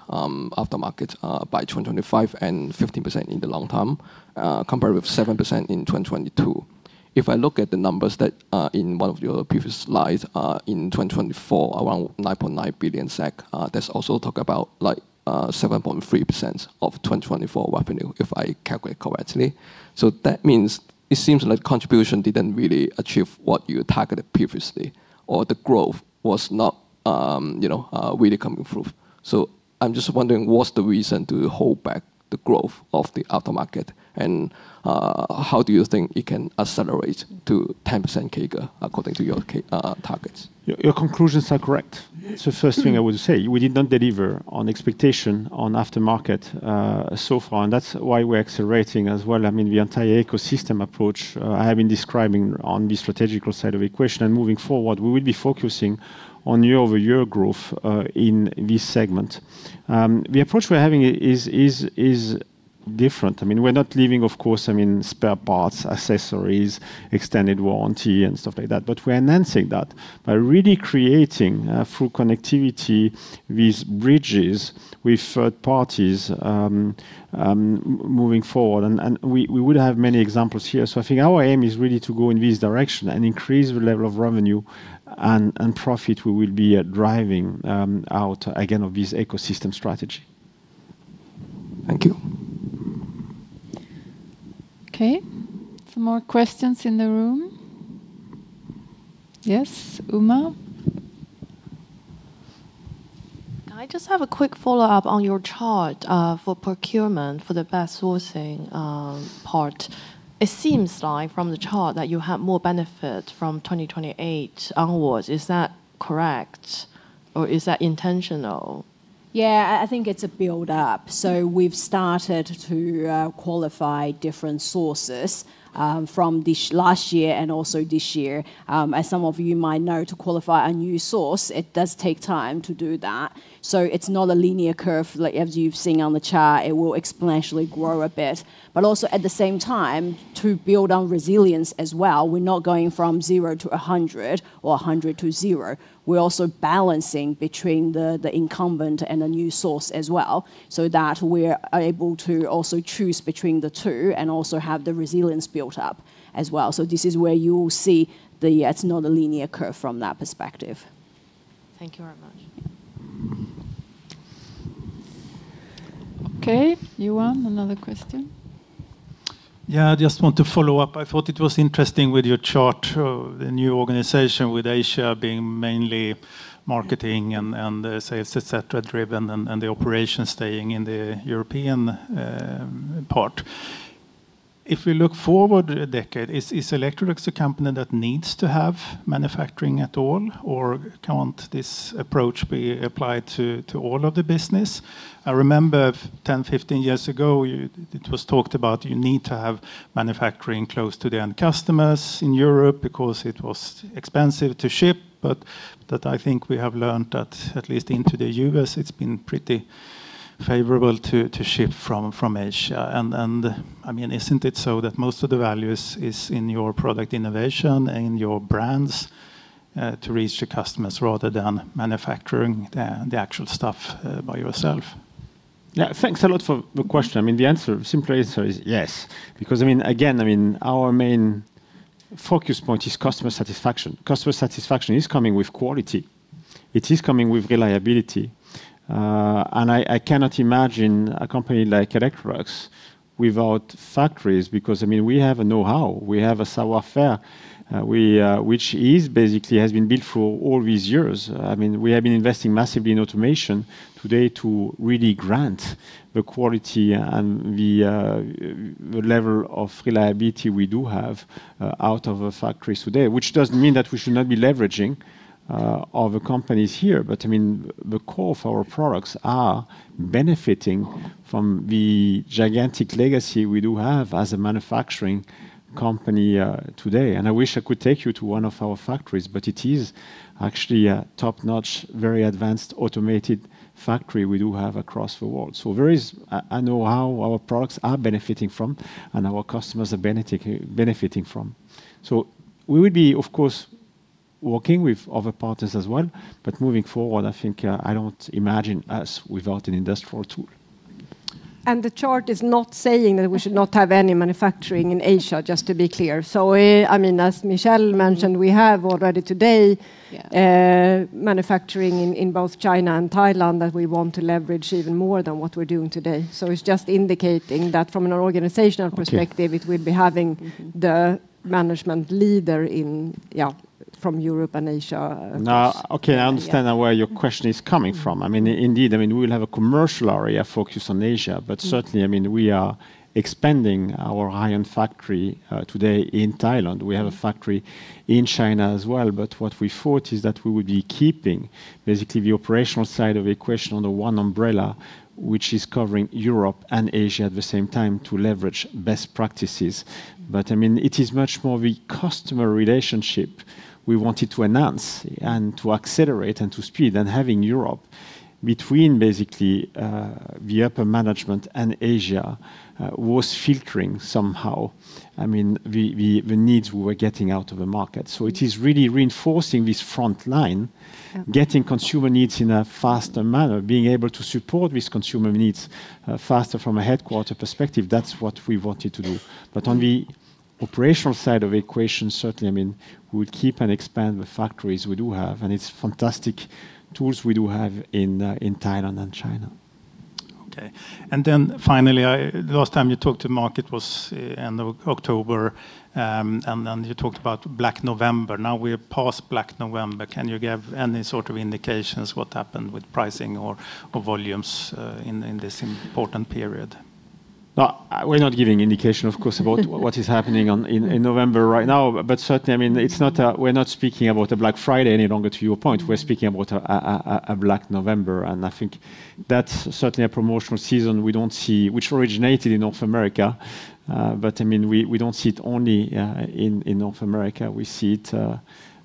aftermarket by 2025 and 15% in the long term, compared with 7% in 2022. If I look at the numbers, that in one of your previous slides in 2024, around 9.9 billion SEK, there's also talk about like 7.3% of 2024 revenue, if I calculate correctly. So that means it seems like contribution didn't really achieve what you targeted previously, or the growth was not really coming through. So I'm just wondering, what's the reason to hold back the growth of the aftermarket? And how do you think it can accelerate to 10% CAGR according to your targets? Your conclusions are correct. It's the first thing I would say. We did not deliver on expectations on aftermarket so far. And that's why we're accelerating as well. I mean, the entire ecosystem approach I have been describing on the strategic side of the equation, and moving forward, we will be focusing on year-over-year growth in this segment. The approach we're having is different. I mean, we're not leaving, of course, I mean, spare parts, accessories, extended warranty, and stuff like that. But we're enhancing that by really creating full connectivity with bridges to third parties moving forward. And we would have many examples here. So I think our aim is really to go in this direction and increase the level of revenue and profit we will be driving out again of this ecosystem strategy. Thank you. Okay. Some more questions in the room? Yes, Uma. I just have a quick follow-up on your chart for procurement for the best sourcing part. It seems like from the chart that you have more benefit from 2028 onwards. Is that correct? Or is that intentional? Yeah, I think it's a build-up. So we've started to qualify different sources from this last year and also this year. As some of you might know, to qualify a new source, it does take time to do that. So it's not a linear curve. Like as you've seen on the chart, it will exponentially grow a bit. But also at the same time, to build on resilience as well, we're not going from zero to 100 or 100 to zero. We're also balancing between the incumbent and a new source as well so that we're able to also choose between the two and also have the resilience built up as well. So this is where you will see that it's not a linear curve from that perspective. Thank you very much. Okay. Johan, another question. Yeah, I just want to follow up. I thought it was interesting with your chart, the new organization with Asia being mainly marketing and sales, etc., driven and the operation staying in the European part. If we look forward a decade, is Electrolux a company that needs to have manufacturing at all? Or can't this approach be applied to all of the business? I remember 10, 15 years ago, it was talked about you need to have manufacturing close to the end customers in Europe because it was expensive to ship. But I think we have learned that at least into the U.S., it's been pretty favorable to ship from Asia. And I mean, isn't it so that most of the value is in your product innovation and in your brands to reach the customers rather than manufacturing the actual stuff by yourself? Yeah, thanks a lot for the question. I mean, the answer, simple answer is yes. Because I mean, again, I mean, our main focus point is customer satisfaction. Customer satisfaction is coming with quality. It is coming with reliability. And I cannot imagine a company like Electrolux without factories because I mean, we have a know-how. We have a savoir-faire, which is basically has been built for all these years. I mean, we have been investing massively in automation today to really grant the quality and the level of reliability we do have out of the factories today, which doesn't mean that we should not be leveraging other companies here. But I mean, the core of our products are benefiting from the gigantic legacy we do have as a manufacturing company today. And I wish I could take you to one of our factories, but it is actually a top-notch, very advanced automated factory we do have across the world. So there is a know-how our products are benefiting from and our customers are benefiting from. So we would be, of course, working with other partners as well. But moving forward, I think I don't imagine us without an industrial tool. And the chart is not saying that we should not have any manufacturing in Asia, just to be clear. So I mean, as Michelle mentioned, we have already today manufacturing in both China and Thailand that we want to leverage even more than what we're doing today. So it's just indicating that from an organizational perspective, it will be having the management leader in, yeah, from Europe and Asia. Okay, I understand where your question is coming from. I mean, indeed, I mean, we will have a commercial area focused on Asia, but certainly, I mean, we are expanding our high-end factory today in Thailand. We have a factory in China as well. But what we thought is that we would be keeping basically the operational side of the equation under one umbrella, which is covering Europe and Asia at the same time to leverage best practices. But I mean, it is much more the customer relationship we wanted to enhance and to accelerate and to speed than having Europe between basically the upper management and Asia was filtering somehow. I mean, the needs we were getting out of the market. So it is really reinforcing this front line, getting consumer needs in a faster manner, being able to support these consumer needs faster from a headquarters perspective. That's what we wanted to do. But on the operational side of the equation, certainly, I mean, we would keep and expand the factories we do have. And it's fantastic tools we do have in Thailand and China. Okay. And then finally, last time you talked to the market was in October, and then you talked about Black November. Now we're past Black November. Can you give any sort of indications what happened with pricing or volumes in this important period? We're not giving indication, of course, about what is happening in November right now. But certainly, I mean, we're not speaking about a Black Friday any longer to your point. We're speaking about a Black November. And I think that's certainly a promotional season we don't see, which originated in North America. But I mean, we don't see it only in North America. We see it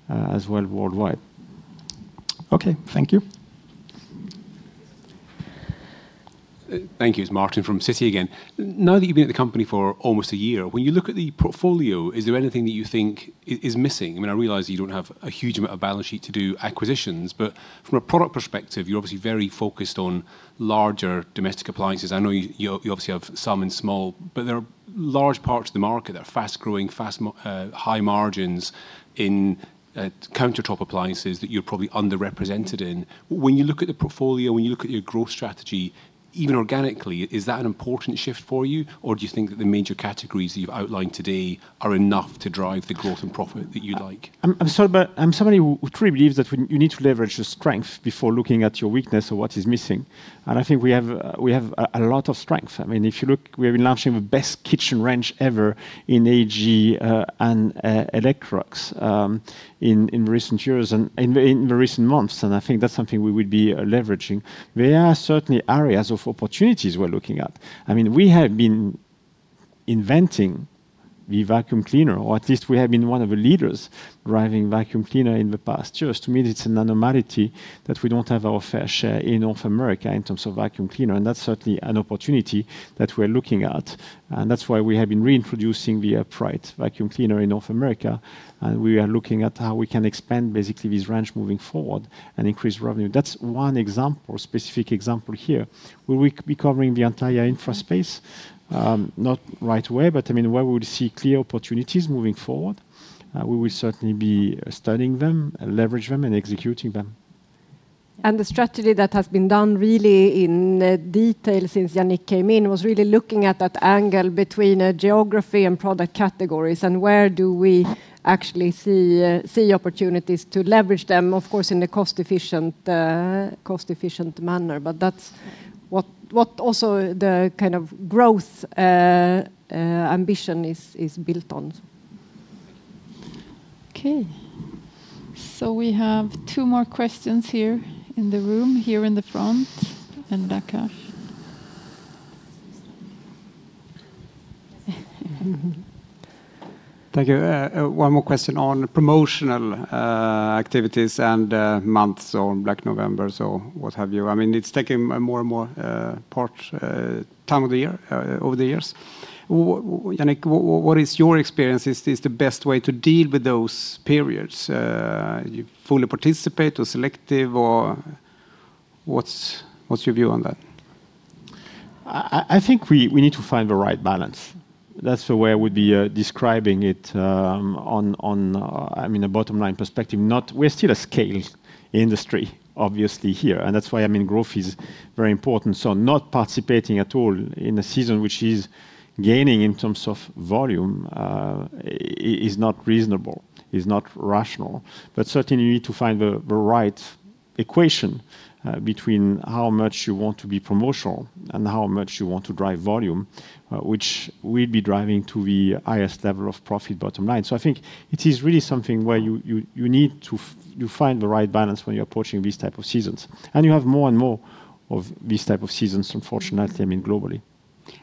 as well worldwide. Okay. Thank you. Thank you. It's Martin from Citi again. Now that you've been at the company for almost a year, when you look at the portfolio, is there anything that you think is missing? I mean, I realize you don't have a huge amount of balance sheet to do acquisitions, but from a product perspective, you're obviously very focused on larger domestic appliances. I know you obviously have some in small, but there are large parts of the market that are fast-growing, fast-high margins in countertop appliances that you're probably underrepresented in. When you look at the portfolio, when you look at your growth strategy, even organically, is that an important shift for you? Or do you think that the major categories that you've outlined today are enough to drive the growth and profit that you'd like? I'm somebody who truly believes that you need to leverage your strength before looking at your weakness or what is missing. And I think we have a lot of strength. I mean, if you look, we've been launching the best kitchen range ever in AEG and Electrolux in recent years and in recent months. And I think that's something we would be leveraging. There are certainly areas of opportunities we're looking at. I mean, we have been inventing the vacuum cleaner, or at least we have been one of the leaders driving vacuum cleaner in the past years. To me, it's an anomaly that we don't have our fair share in North America in terms of vacuum cleaner. And that's certainly an opportunity that we're looking at. And that's why we have been reintroducing the upright vacuum cleaner in North America. And we are looking at how we can expand basically this range moving forward and increase revenue. That's one example, specific example here. We will be covering the entire infra space, not right away, but I mean, where we will see clear opportunities moving forward. We will certainly be studying them, leveraging them, and executing them. The strategy that has been done really in detail since Yannick came in was really looking at that angle between geography and product categories and where do we actually see opportunities to leverage them, of course, in a cost-efficient manner. But that's what also the kind of growth ambition is built on. Okay. So we have two more questions here in the room, here in the front and back. Thank you. One more question on promotional activities and months or Black November, so what have you. I mean, it's taking more and more part of the year, over the years. Yannick, what is your experience? Is the best way to deal with those periods? You fully participate or selective? What's your view on that? I think we need to find the right balance. That's the way I would be describing it on, I mean, a bottom-line perspective. We're still a scale industry, obviously, here. And that's why I mean, growth is very important. So not participating at all in a season which is gaining in terms of volume is not reasonable, is not rational. But certainly, you need to find the right equation between how much you want to be promotional and how much you want to drive volume, which we'd be driving to the highest level of profit bottom line. So I think it is really something where you need to find the right balance when you're approaching these types of seasons. And you have more and more of these types of seasons, unfortunately, I mean, globally.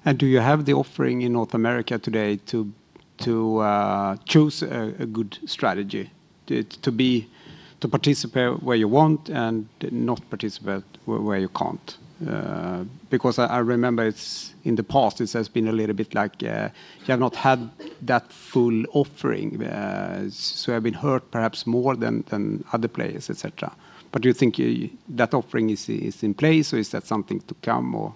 And do you have the offering in North America today to choose a good strategy to participate where you want and not participate where you can't? Because I remember in the past, it has been a little bit like you have not had that full offering. So you have been hurt perhaps more than other players, etc. But do you think that offering is in place or is that something to come or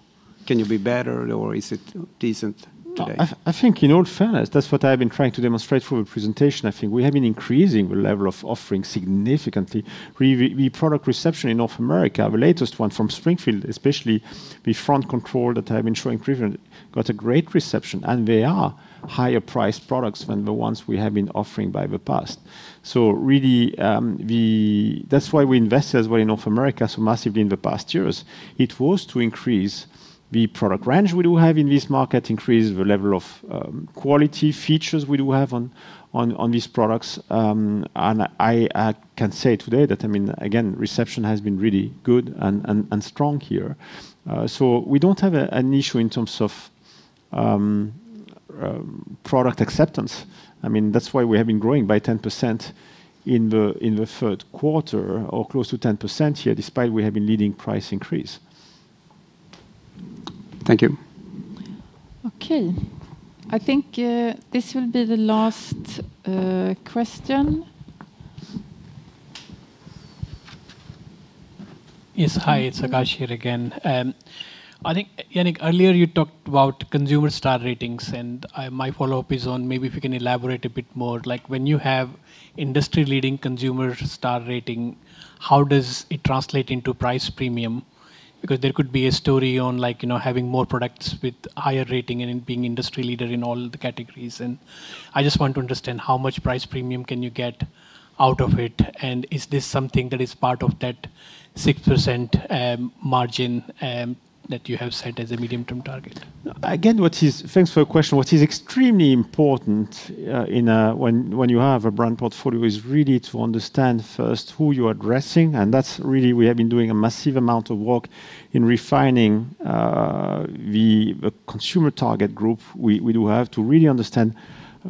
can you be better or is it decent today? I think in all fairness, that's what I've been trying to demonstrate in the presentation. I think we have been increasing the level of offering significantly. The product reception in North America, the latest one from Springfield, especially the front control that I've been showing previously, got a great reception. And they are higher-priced products than the ones we have been offering in the past. So really, that's why we invested as well in North America so massively in the past years. It was to increase the product range we do have in this market, increase the level of quality features we do have on these products. And I can say today that, I mean, again, reception has been really good and strong here. So we don't have an issue in terms of product acceptance. I mean, that's why we have been growing by 10% in the third quarter or close to 10% here, despite we have been leading price increase. Thank you. Okay. I think this will be the last question. Yes, hi, it's Akash here again. I think, Yannick, earlier you talked about consumer star ratings. And my follow-up is on maybe if you can elaborate a bit more. Like when you have industry-leading consumer star rating, how does it translate into price premium? Because there could be a story on having more products with higher rating and being industry leader in all the categories. And I just want to understand how much price premium can you get out of it? And is this something that is part of that 6% margin that you have set as a medium-term target? Again, thanks for your question. What is extremely important when you have a brand portfolio is really to understand first who you are addressing. And that's really we have been doing a massive amount of work in refining the consumer target group we do have to really understand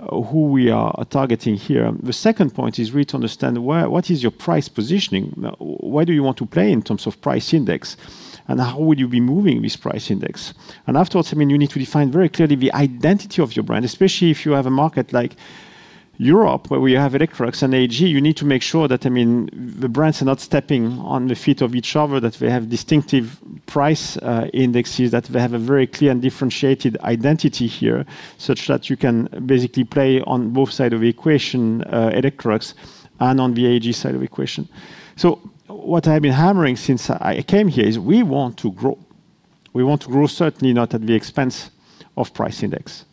who we are targeting here. The second point is really to understand what is your price positioning? Why do you want to play in terms of price index? And how would you be moving this price index? And afterwards, I mean, you need to define very clearly the identity of your brand, especially if you have a market like Europe where we have Electrolux and AEG. You need to make sure that, I mean, the brands are not stepping on the feet of each other, that they have distinctive price indexes, that they have a very clear and differentiated identity here such that you can basically play on both sides of the equation, Electrolux and on the AEG side of the equation. So what I've been hammering since I came here is we want to grow. We want to grow certainly not at the expense of price index.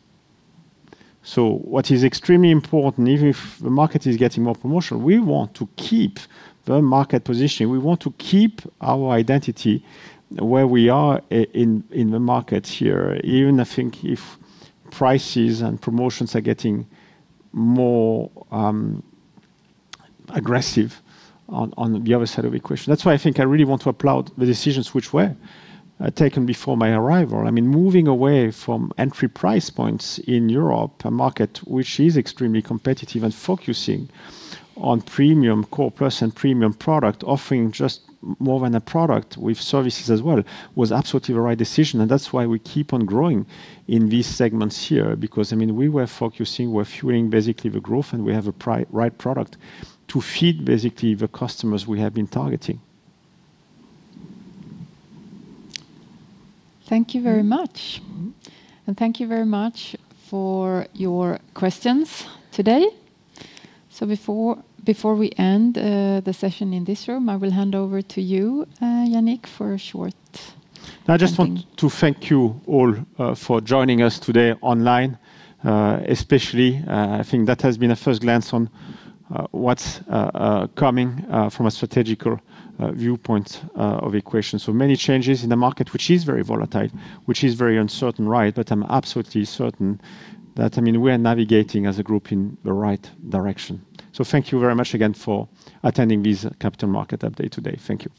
So what is extremely important, even if the market is getting more promotional, we want to keep the market positioning. We want to keep our identity where we are in the market here, even, I think, if prices and promotions are getting more aggressive on the other side of the equation. That's why I think I really want to apply the decisions which were taken before my arrival. I mean, moving away from entry price points in Europe, a market which is extremely competitive, and focusing on premium core plus and premium product, offering just more than a product with services as well, was absolutely the right decision, and that's why we keep on growing in these segments here because, I mean, we were focusing, we're fueling basically the growth, and we have a right product to feed basically the customers we have been targeting. Thank you very much and thank you very much for your questions today. So before we end the session in this room, I will hand over to you, Yannick, for a short. I just want to thank you all for joining us today online, especially, I think, that has been a first glance on what's coming from a strategic viewpoint of the organization. So many changes in the market, which is very volatile, which is very uncertain, right? But I'm absolutely certain that, I mean, we are navigating as a group in the right direction. So thank you very much again for attending this capital market update today. Thank you.